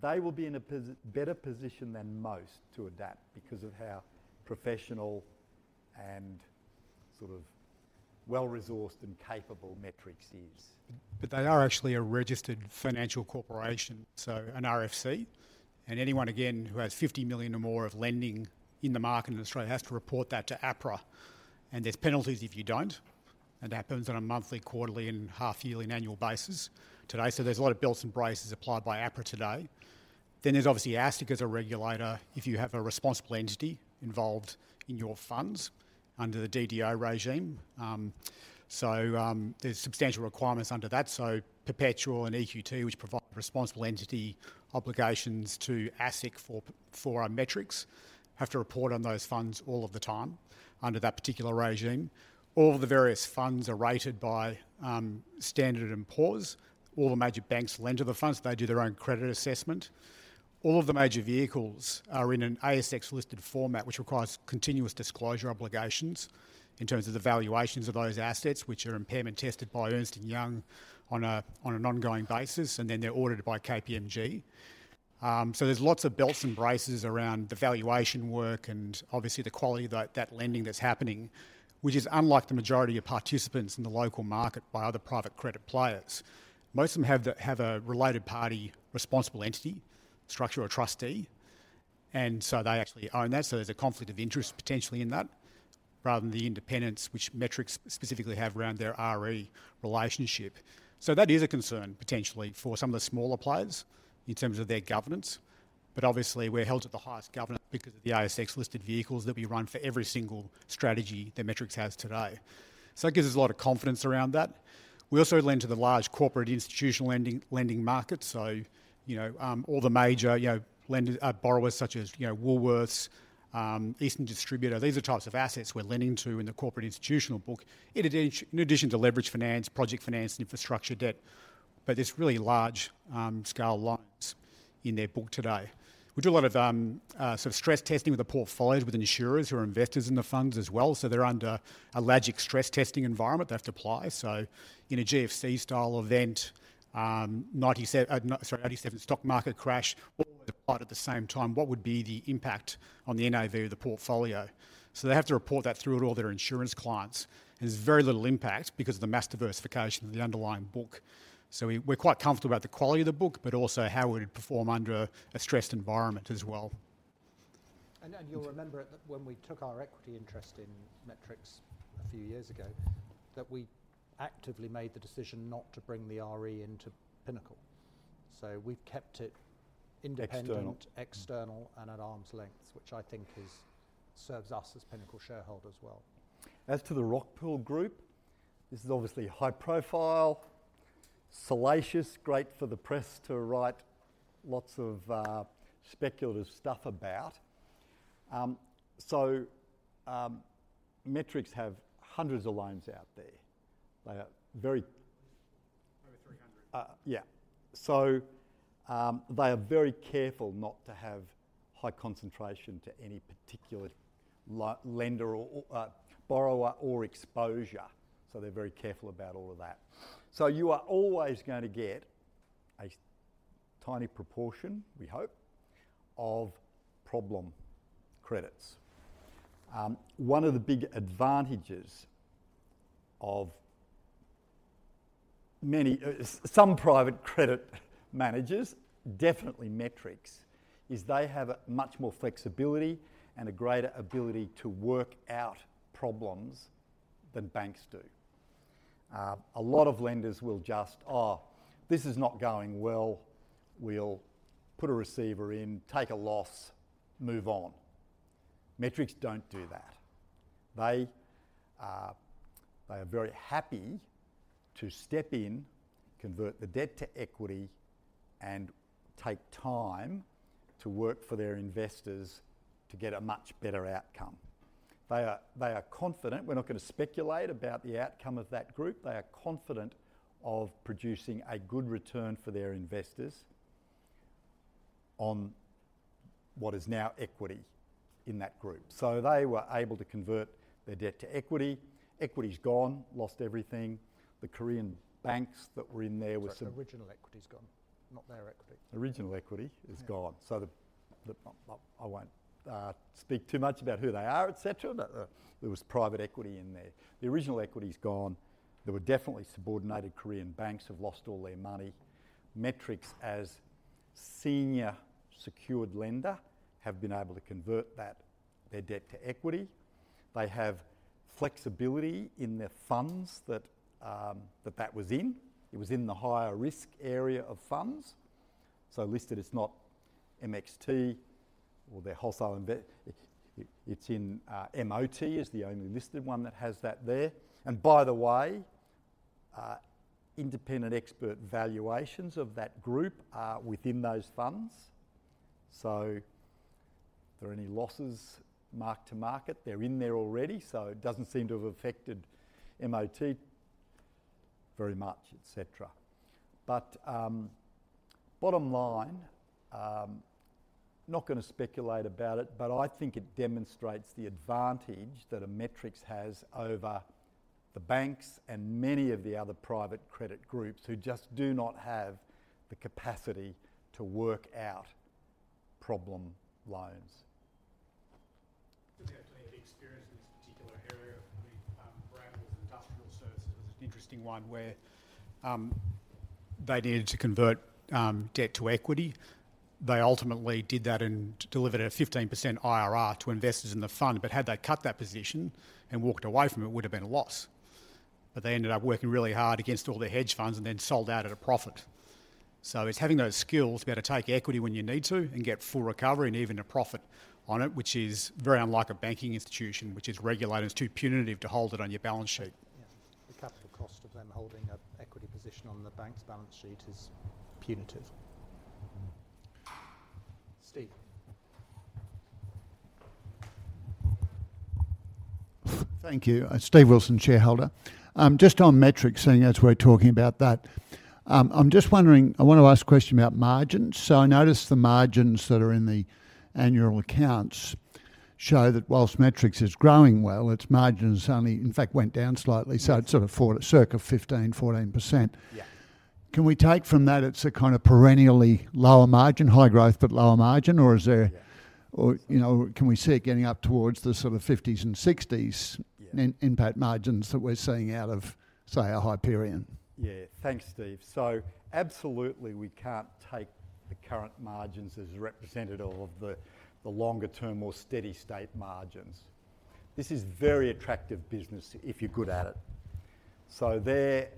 They will be in a better position than most to adapt because of how professional and sort of well-resourced and capable Metrics is. But they are actually a registered financial corporation, so an RFC, and anyone, again, who has fifty million or more of lending in the market in Australia has to report that to APRA, and there's penalties if you don't, and that happens on a monthly, quarterly, and half-yearly, and annual basis today. So there's a lot of belts and braces applied by APRA today. Then there's obviously ASIC as a regulator, if you have a responsible entity involved in your funds under the DDO regime. So there's substantial requirements under that, so Perpetual and EQT, which provide responsible entity obligations to ASIC for our Metrics, have to report on those funds all of the time under that particular regime. All of the various funds are rated by Standard & Poor's. All the major banks lend to the funds. They do their own credit assessment. All of the major vehicles are in an ASX-listed format, which requires continuous disclosure obligations in terms of the valuations of those assets, which are impairment tested by Ernst & Young on an ongoing basis, and then they're audited by KPMG. So there's lots of belts and braces around the valuation work and obviously the quality of that lending that's happening, which is unlike the majority of participants in the local market by other private credit players. Most of them have a related party responsible entity structure, or trustee, and so they actually own that, so there's a conflict of interest potentially in that, rather than the independence which Metrics specifically have around their RE relationship. So that is a concern, potentially, for some of the smaller players in terms of their governance, but obviously we're held to the highest governance because of the ASX-listed vehicles that we run for every single strategy that Metrics has today. So that gives us a lot of confidence around that. We also lend to the large corporate institutional lending market, so, you know, all the major, you know, lenders, borrowers, such as, you know, Woolworths, Eastern Distributor, these are types of assets we're lending to in the corporate institutional book, in addition to leverage finance, project finance, and infrastructure debt, but there's really large scale loans in their book today. We do a lot of sort of stress testing with the portfolios with insurers who are investors in the funds as well, so they're under a logic stress testing environment they have to apply. So in a GFC-style event, eighty-seven stock market crash, all at the same time, what would be the impact on the NAV of the portfolio? So they have to report that through to all their insurance clients. There's very little impact because of the mass diversification of the underlying book. So we're quite comfortable about the quality of the book, but also how would it perform under a stressed environment as well. You'll remember that when we took our equity interest in Metrics a few years ago, that we actively made the decision not to bring the RE into Pinnacle so we've kept it independent. External. external and at arm's length, which I think is... serves us as Pinnacle shareholders well. As to the Rockpool Group, this is obviously high profile, salacious, great for the press to write lots of speculative stuff about. So, Metrics have hundreds of loans out there. They are very- Over 300. Yeah. So, they are very careful not to have high concentration to any particular lender or, or, borrower or exposure, so they're very careful about all of that. So you are always going to get a tiny proportion, we hope, of problem credits. One of the big advantages of many, some private credit managers, definitely Metrics, is they have a much more flexibility and a greater ability to work out problems than banks do. A lot of lenders will just, "Oh, this is not going well. We'll put a receiver in, take a loss, move on." Metrics don't do that. They, they are very happy to step in, convert the debt to equity, and take time to work for their investors to get a much better outcome. They are, they are confident... We're not going to speculate about the outcome of that group. They are confident of producing a good return for their investors on what is now equity in that group. So they were able to convert their debt to equity. Equity's gone, lost everything. The Korean banks that were in there were- Sorry, original equity's gone, not their equity. Original equity is gone. Yeah. So I won't speak too much about who they are, et cetera, but there was private equity in there. The original equity's gone. There were definitely subordinated Korean banks have lost all their money. Metrics, as senior secured lender, have been able to convert that, their debt to equity. They have flexibility in the funds that that was in. It was in the higher risk area of funds, so listed as not MXT or their wholesale invest. It's in MOT is the only listed one that has that there. And by the way, independent expert valuations of that group are within those funds, so if there are any losses mark-to-market, they're in there already, so it doesn't seem to have affected MOT very much, et cetera. Bottom line, not going to speculate about it, but I think it demonstrates the advantage that a Metrics has over the banks and many of the other private credit groups who just do not have the capacity to work out problem loans. To have the experience in this particular area, I mean, Brambles Industrial Services is an interesting one where, they needed to convert, debt to equity. They ultimately did that and delivered a 15% IRR to investors in the fund, but had they cut that position and walked away from it, it would have been a loss. But they ended up working really hard against all the hedge funds and then sold out at a profit. So it's having those skills to be able to take equity when you need to and get full recovery and even a profit on it, which is very unlike a banking institution, which is regulated. It's too punitive to hold it on your balance sheet. Yeah. The capital cost of them holding an equity position on the bank's balance sheet is punitive. Steve? Thank you. Steve Wilson, shareholder. Just on Metrics, seeing as we're talking about that, I'm just wondering. I want to ask a question about margins. So I noticed the margins that are in the annual accounts show that while Metrics is growing well, its margins only, in fact, went down slightly, so it's sort of fell to circa 15%-14%. Yeah. Can we take from that it's a kind of perennially lower margin, high growth, but lower margin, or is there- Yeah. or, you know, can we see it getting up towards the sort of fifties and sixties? Yeah... in net margins that we're seeing out of, say, a Hyperion? Yeah. Thanks, Steve. So absolutely, we can't take the current margins as representative of the longer term, more steady state margins. This is very attractive business if you're good at it. So their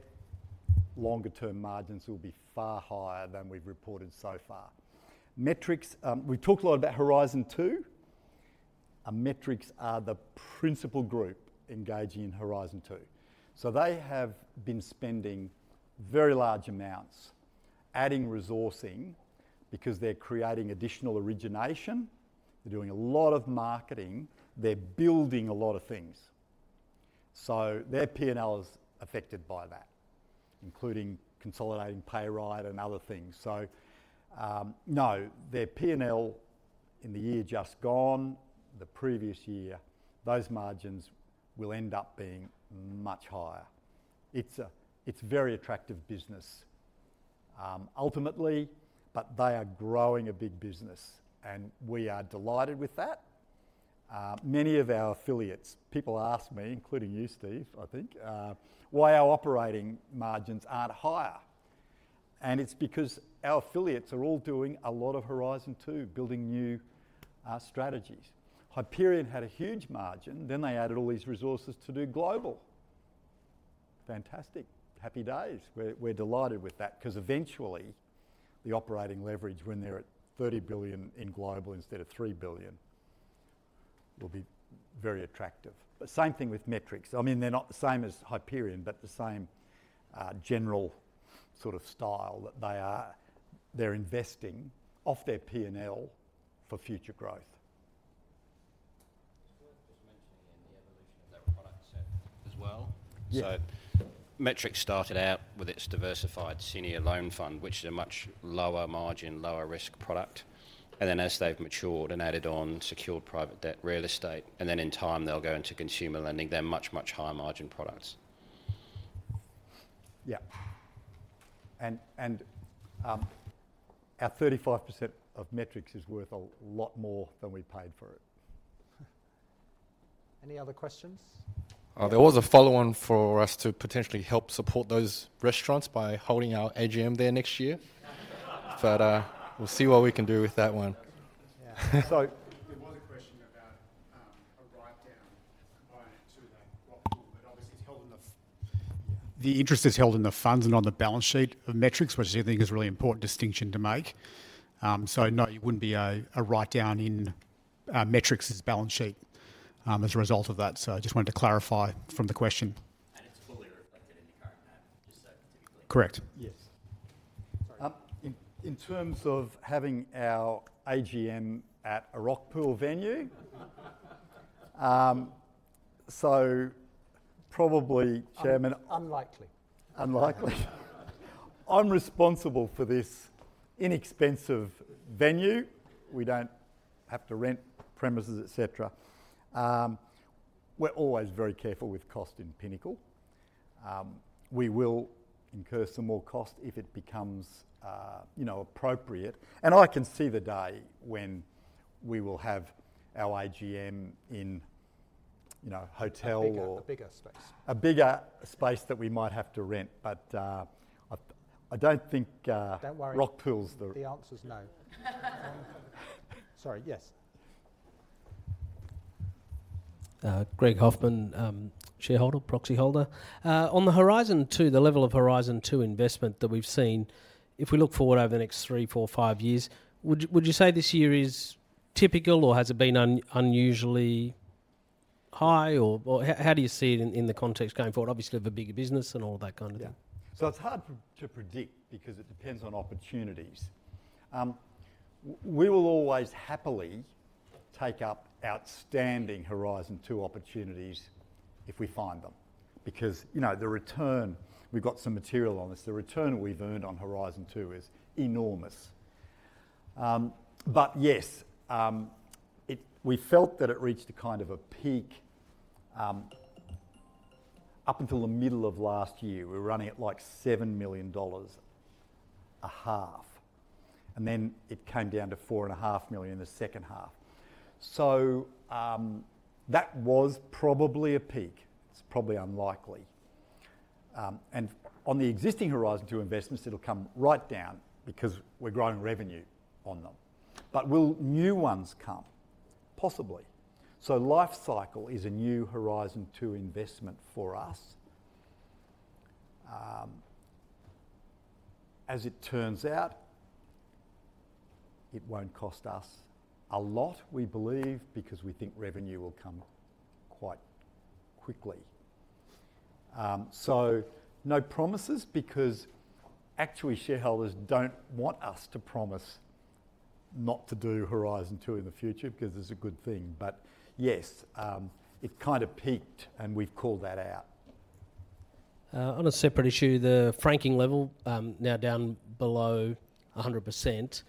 longer term margins will be far higher than we've reported so far. Metrics, we talked a lot about Horizon Two, and Metrics are the principal group engaging in Horizon Two. So they have been spending very large amounts, adding resourcing, because they're creating additional origination. They're doing a lot of marketing. They're building a lot of things. So their P&L is affected by that, including consolidating PayRight and other things. So, no, their P&L in the year just gone, the previous year, those margins will end up being much higher. It's a, it's very attractive business, ultimately, but they are growing a big business, and we are delighted with that. Many of our affiliates, people ask me, including you, Steve, I think, why our operating margins aren't higher, and it's because our affiliates are all doing a lot of Horizon Two, building new strategies. Hyperion had a huge margin, then they added all these resources to do global. Fantastic. Happy days. We're delighted with that because eventually, the operating leverage, when they're at 30 billion in global instead of 3 billion, will be very attractive. The same thing with Metrics. I mean, they're not the same as Hyperion, but the same general sort of style, that they are. They're investing off their P&L for future growth. It's worth just mentioning in the evolution of their product set as well. Yeah. So Metrics started out with its diversified senior loan fund, which is a much lower margin, lower risk product. And then as they've matured and added on secured private debt real estate, and then in time they'll go into consumer lending, they're much, much higher margin products. Yeah. Our 35% of Metrics is worth a lot more than we paid for it. Any other questions? There was a follow on for us to potentially help support those restaurants by holding our AGM there next year. But, we'll see what we can do with that one. Yeah. So there was a question about a write-down component to that Rockpool, but obviously, it's held in the funds and on the balance sheet of Metrics, which I think is a really important distinction to make. So no, it wouldn't be a write-down in Metrics' balance sheet as a result of that. So I just wanted to clarify from the question. It's fully reflected in the current map, just so to be clear. Correct. Yes. Sorry. In terms of having our AGM at a Rockpool venue, so probably, Chairman- Un- unlikely. Unlikely. I'm responsible for this inexpensive venue. We don't have to rent premises, et cetera. We're always very careful with cost in Pinnacle. We will incur some more cost if it becomes, you know, appropriate. And I can see the day when we will have our AGM in, you know, a hotel or- A bigger space. A bigger space that we might have to rent, but, I don't think, Don't worry... Rockpool's The answer is no. Sorry. Yes. Greg Hoffman, shareholder, proxy holder. On the Horizon Two, the level of Horizon Two investment that we've seen, if we look forward over the next three, four, five years, would you say this year is typical, or has it been unusually high, or how do you see it in the context going forward, obviously, of a bigger business and all that kind of thing? Yeah. So it's hard to predict because it depends on opportunities. We will always happily take up outstanding Horizon 2 opportunities if we find them, because, you know, the return, we've got some material on this, the return we've earned on Horizon 2 is enormous. But yes, we felt that it reached a kind of a peak. Up until the middle of last year, we were running at, like, 7 million dollars a half, and then it came down to 4.5 million in the second half. That was probably a peak. It's probably unlikely. And on the existing Horizon 2 investments, it'll come right down because we're growing revenue on them. But will new ones come? Possibly. So Lifecycle is a new Horizon 2 investment for us. As it turns out, it won't cost us a lot, we believe, because we think revenue will come quite quickly. So no promises because actually shareholders don't want us to promise not to do Horizon 2 in the future, because it's a good thing. But yes, it kind of peaked, and we've called that out. On a separate issue, the franking level, now down below 100%.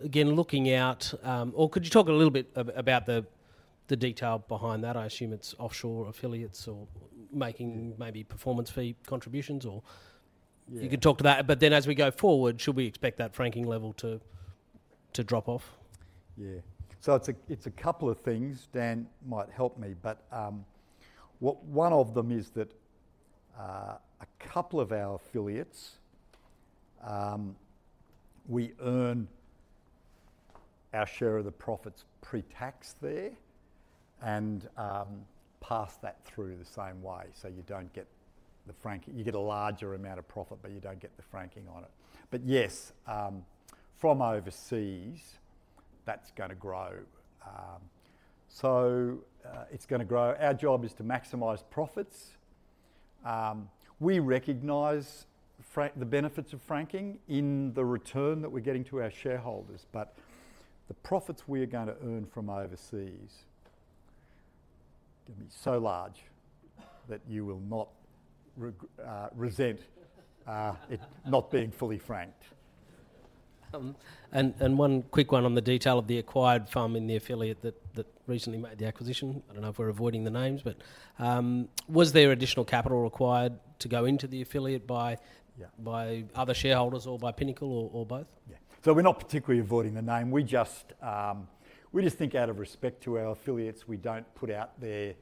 Again, looking out, or could you talk a little bit about the detail behind that? I assume it's offshore affiliates or making maybe performance fee contributions or- Yeah. You could talk to that. But then as we go forward, should we expect that franking level to drop off? Yeah. So it's a couple of things. Dan might help me, but what one of them is that a couple of our affiliates we earn our share of the profits pre-tax there, and pass that through the same way, so you don't get the franking. You get a larger amount of profit, but you don't get the franking on it. But yes, from overseas, that's gonna grow. So it's gonna grow. Our job is to maximize profits. We recognize the benefits of franking in the return that we're getting to our shareholders, but the profits we are gonna earn from overseas are gonna be so large that you will not resent it not being fully franked. One quick one on the detail of the acquired firm in the affiliate that recently made the acquisition. I don't know if we're avoiding the names, but was there additional capital required to go into the affiliate by- Yeah... by other shareholders or by Pinnacle or, or both? Yeah. So we're not particularly avoiding the name. We just, we just think out of respect to our affiliates, we don't put out there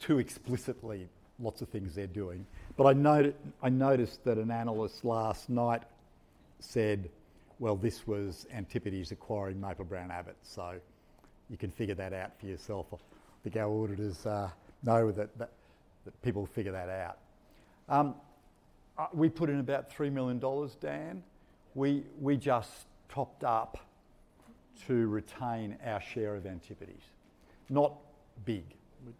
too explicitly lots of things they're doing. But I noticed that an analyst last night said, "Well, this was Antipodes acquiring Maple-Brown Abbott," so you can figure that out for yourself. I think our auditors know that people will figure that out. We put in about 3 million dollars, Dan. We just topped up to retain our share of Antipodes. Not big. Yeah.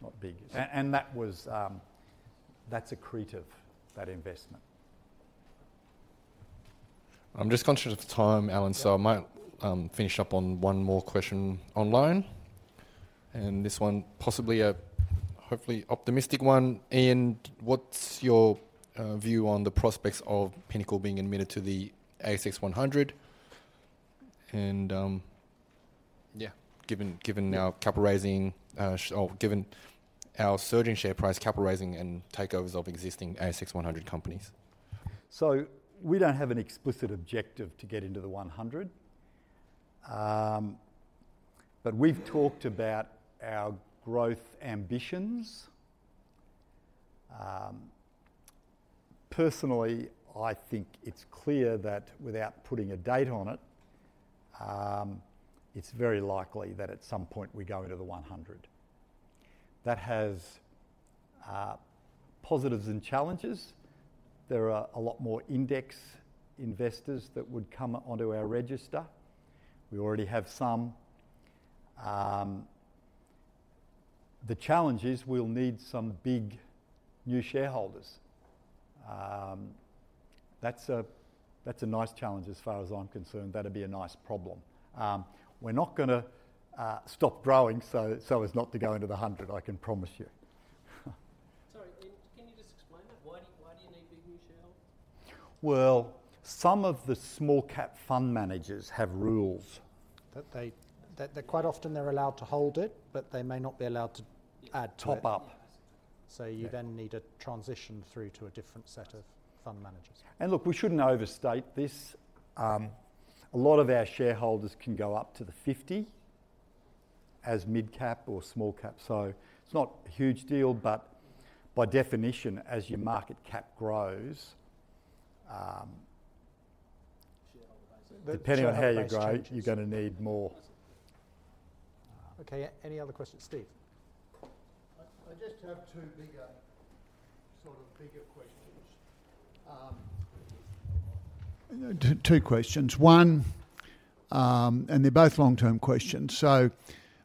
Not big. And that was, that's accretive, that investment. I'm just conscious of the time, Alan- Yeah... so I might finish up on one more question online. And this one possibly a hopefully optimistic one. Ian, what's your view on the prospects of Pinnacle being admitted to the ASX 100? And, yeah, given our capital raising, or given our surging share price capital raising and takeovers of existing ASX 100 companies. So we don't have an explicit objective to get into the one hundred. But we've talked about our growth ambitions. Personally, I think it's clear that without putting a date on it, it's very likely that at some point we go into the one hundred. That has positives and challenges. There are a lot more index investors that would come onto our register. We already have some. The challenge is we'll need some big new shareholders. That's a nice challenge as far as I'm concerned. That'd be a nice problem. We're not gonna stop growing so as not to go into the hundred, I can promise you. Sorry, Ian, can you just explain that? Why do, why do you need big new shareholders? Well, some of the small cap fund managers have rules. That they quite often they're allowed to hold it, but they may not be allowed to add to it. Top up. So you then need a transition through to a different set of fund managers. Look, we shouldn't overstate this. A lot of our shareholders can go up to the 50 as mid cap or small cap, so it's not a huge deal, but by definition, as your market cap grows, Shareholder base. Depending on how you grow, you're gonna need more. Okay, any other questions, Steve? I just have two bigger, sort of, bigger questions. Two questions. One, and they're both long-term questions. So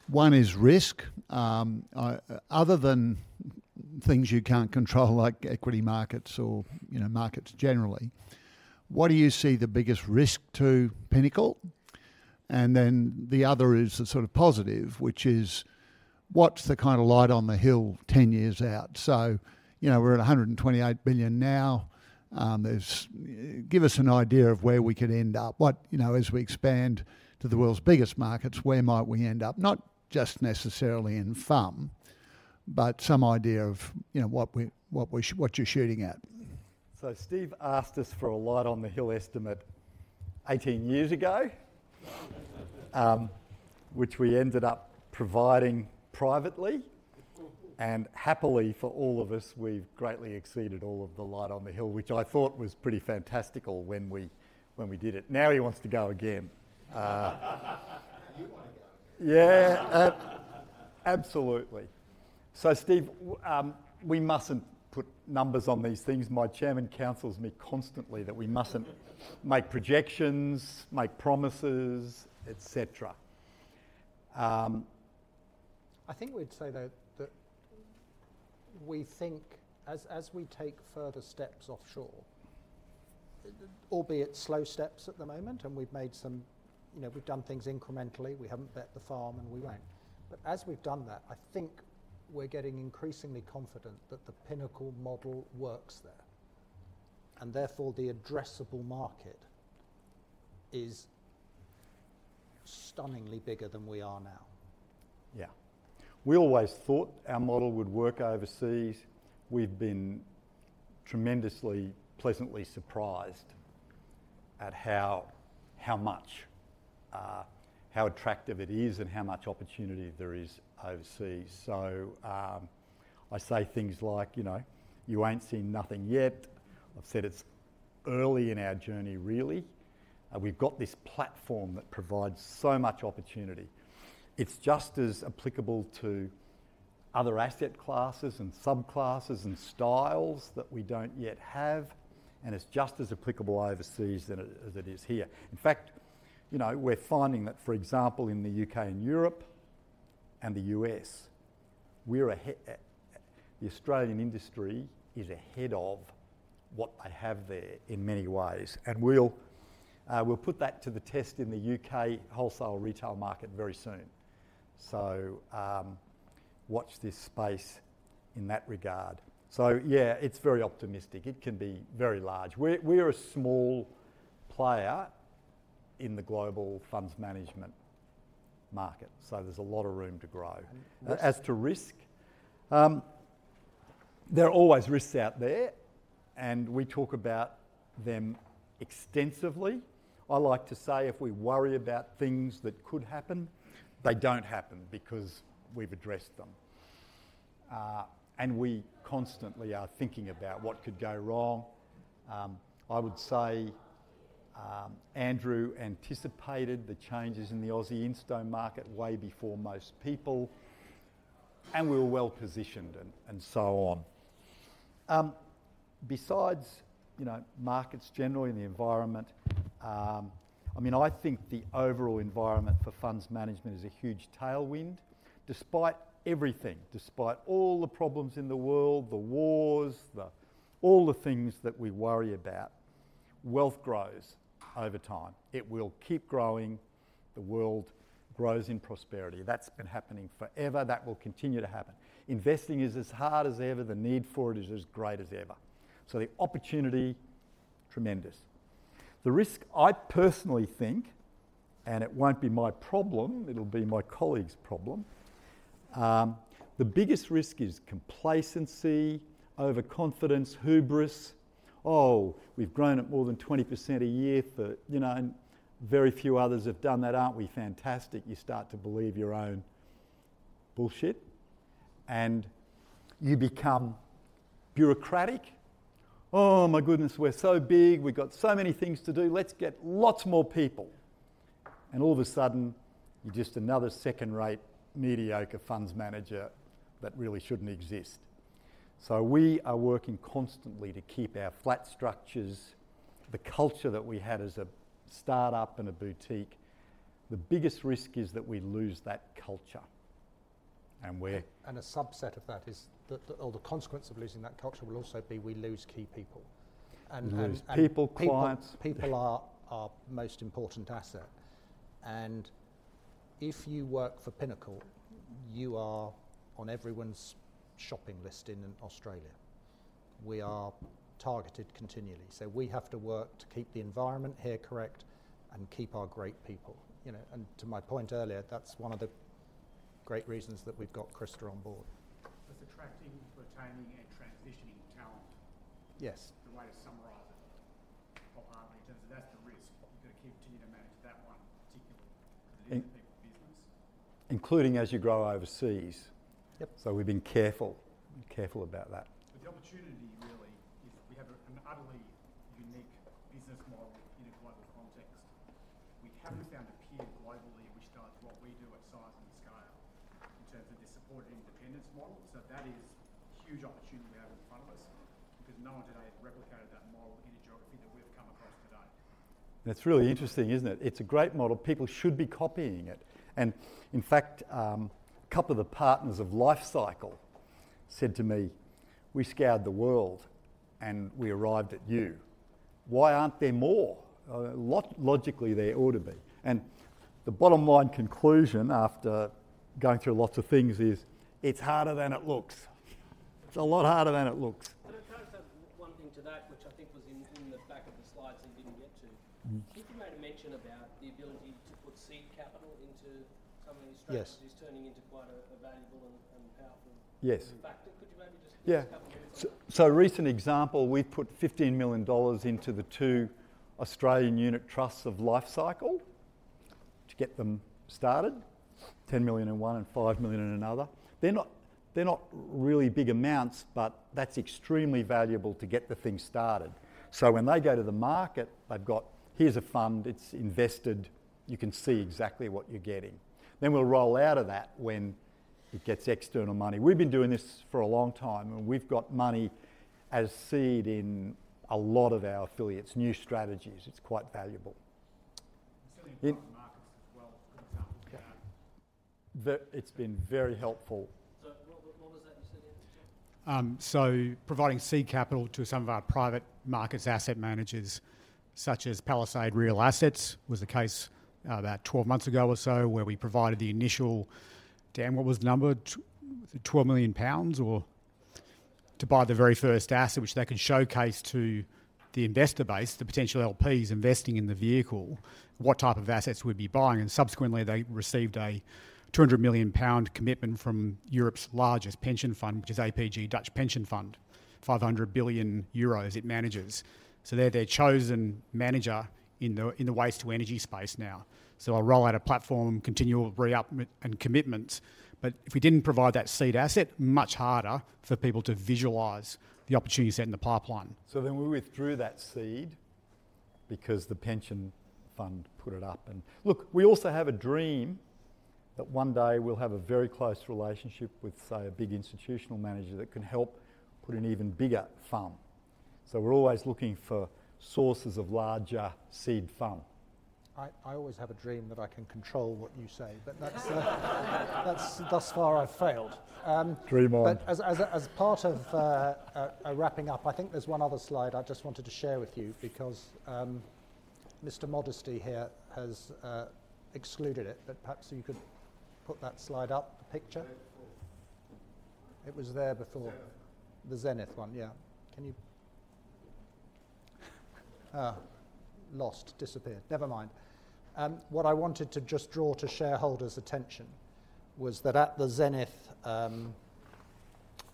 one is risk. Other than things you can't control, like equity markets or, you know, markets generally, what do you see the biggest risk to Pinnacle? And then the other is a sort of positive, which is: What's the kind of light on the hill ten years out? So, you know, we're at 128 billion now. Give us an idea of where we could end up. What, you know, as we expand to the world's biggest markets, where might we end up? Not just necessarily in FUM, but some idea of, you know, what we, what we, what you're shooting at. So Steve asked us for a light on the hill estimate eighteen years ago, which we ended up providing privately, and happily for all of us, we've greatly exceeded all of the light on the hill, which I thought was pretty fantastical when we did it. Now he wants to go again. You wanna go. Yeah, absolutely. So Steve, we mustn't put numbers on these things. My chairman counsels me constantly that we mustn't make projections, make promises, et cetera. I think we'd say, though, that we think as we take further steps offshore, albeit slow steps at the moment, and we've made some, you know, we've done things incrementally, we haven't bet the farm, and we won't. Right. But as we've done that, I think we're getting increasingly confident that the Pinnacle model works there, and therefore, the addressable market is stunningly bigger than we are now. Yeah. We always thought our model would work overseas. We've been tremendously, pleasantly surprised at how attractive it is and how much opportunity there is overseas. So, I say things like, you know, "You ain't seen nothing yet." I've said, "It's early in our journey, really," and we've got this platform that provides so much opportunity. It's just as applicable to other asset classes and subclasses and styles that we don't yet have, and it's just as applicable overseas than it, as it is here. In fact, you know, we're finding that, for example, in the UK and Europe and the US, we're ahead, the Australian industry is ahead of what they have there in many ways, and we'll put that to the test in the UK wholesale retail market very soon. So, watch this space in that regard. Yeah, it's very optimistic. It can be very large. We're a small player in the global funds management market, so there's a lot of room to grow. And risk- As to risk, there are always risks out there, and we talk about them extensively. I like to say if we worry about things that could happen, they don't happen because we've addressed them, and we constantly are thinking about what could go wrong. I would say Andrew anticipated the changes in the Aussie insto market way before most people, and we were well-positioned and so on. Besides, you know, markets generally and the environment... I mean, I think the overall environment for funds management is a huge tailwind. Despite everything, despite all the problems in the world, the wars, all the things that we worry about, wealth grows over time. It will keep growing. The world grows in prosperity. That's been happening forever. That will continue to happen. Investing is as hard as ever. The need for it is as great as ever, so the opportunity, tremendous. The risk, I personally think, and it won't be my problem, it'll be my colleague's problem, the biggest risk is complacency, overconfidence, hubris. "Oh, we've grown at more than 20% a year for..." You know, and very few others have done that. "Aren't we fantastic?" You start to believe your own bullshit, and you become bureaucratic. "Oh, my goodness, we're so big. We've got so many things to do. Let's get lots more people." And all of a sudden, you're just another second-rate, mediocre funds manager that really shouldn't exist. So we are working constantly to keep our flat structures, the culture that we had as a start-up and a boutique. The biggest risk is that we lose that culture, and we're- A subset of that is that, or the consequence of losing that culture will also be we lose key people. We lose people, clients. People, people are our most important asset, and if you work for Pinnacle, you are on everyone's shopping list in Australia. We are targeted continually, so we have to work to keep the environment here correct and keep our great people, you know? And to my point earlier, that's one of the great reasons that we've got Krista on board. That's attracting, retaining, and transitioning talent. Yes. The way to summarize it, or partly in terms of that's the risk. You've got to continue to manage that one, particularly in people business. Including as you grow overseas. Yep. So we've been careful, careful about that. But the opportunity really is we have an utterly unique business model in a global context. We haven't found a peer globally, which does what we do at size and scale in terms of the supported independence model, so that is a huge opportunity we have in front of us because no one today has replicated that model in any geography that we've come across to date. That's really interesting, isn't it? It's a great model. People should be copying it. And in fact, a couple of the partners of Lifecycle said to me, "We scoured the world, and we arrived at you." Why aren't there more? Logically, there ought to be. And the bottom line conclusion, after going through lots of things, is it's harder than it looks. It's a lot harder than it looks. But can I just add one thing to that, which I think was in the back of the slides and didn't get to? Mm. I think you made a mention about the ability to put seed capital into some of these strategies- Yes... is turning into quite a valuable and powerful- Yes -factor. Could you maybe just- Yeah... couple words on it? Recent example, we put 15 million dollars into the two Australian unit trusts of Lifecycle to get them started, 10 million in one and 5 million in another. They're not really big amounts, but that's extremely valuable to get the thing started. When they go to the market, they've got, "Here's a fund, it's invested. You can see exactly what you're getting." Then we'll roll out of that when it gets external money. We've been doing this for a long time, and we've got money as seed in a lot of our affiliates, new strategies. It's quite valuable. In- Certainly in private markets as well, good example of that. It's been very helpful. So what was that you said again, James? Providing seed capital to some of our private markets asset managers, such as Palisade Real Assets, was the case about 12 months ago or so, where we provided the initial... Dan, what was the number? 12 million pounds or... to buy the very first asset, which they could showcase to the investor base, the potential LPs investing in the vehicle, what type of assets we'd be buying, and subsequently, they received a 200 million pound commitment from Europe's largest pension fund, which is APG Asset Management, 500 billion euros it manages. So they're the chosen manager in the waste-to-energy space now. So I'll roll out a platform, continual reinvestment and commitments, but if we didn't provide that seed asset, much harder for people to visualize the opportunities in the pipeline. So then we withdrew that seed because the pension fund put it up and... Look, we also have a dream that one day we'll have a very close relationship with, say, a big institutional manager that can help put an even bigger fund. So we're always looking for sources of larger seed fund. I always have a dream that I can control what you say, but that's, thus far, I've failed. Dream on. But as part of wrapping up, I think there's one other slide I just wanted to share with you because Mr. Modesty here has excluded it, but perhaps you could put that slide up, the picture. There before. It was there before. Zenith. The Zenith one, yeah. Can you... Ah, lost, disappeared. Never mind. What I wanted to just draw to shareholders' attention was that at the Zenith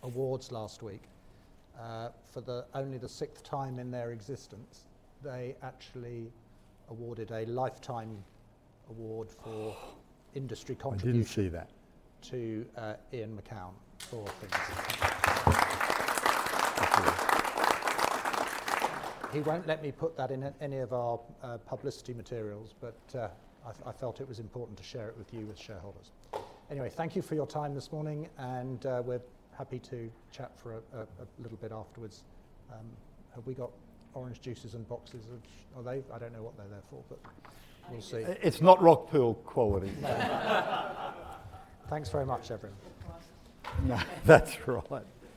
awards last week, for only the sixth time in their existence, they actually awarded a lifetime award for- Oh! -industry contribution- I didn't see that. -to, Ian Macoun for things. Thank you. He won't let me put that in any of our publicity materials, but I felt it was important to share it with you, as shareholders. Anyway, thank you for your time this morning, and we're happy to chat for a little bit afterwards. Have we got orange juices and boxes of...? Are they? I don't know what they're there for, but we'll see. It's not Rockpool quality. Thanks very much, everyone. Glasses. No, that's right.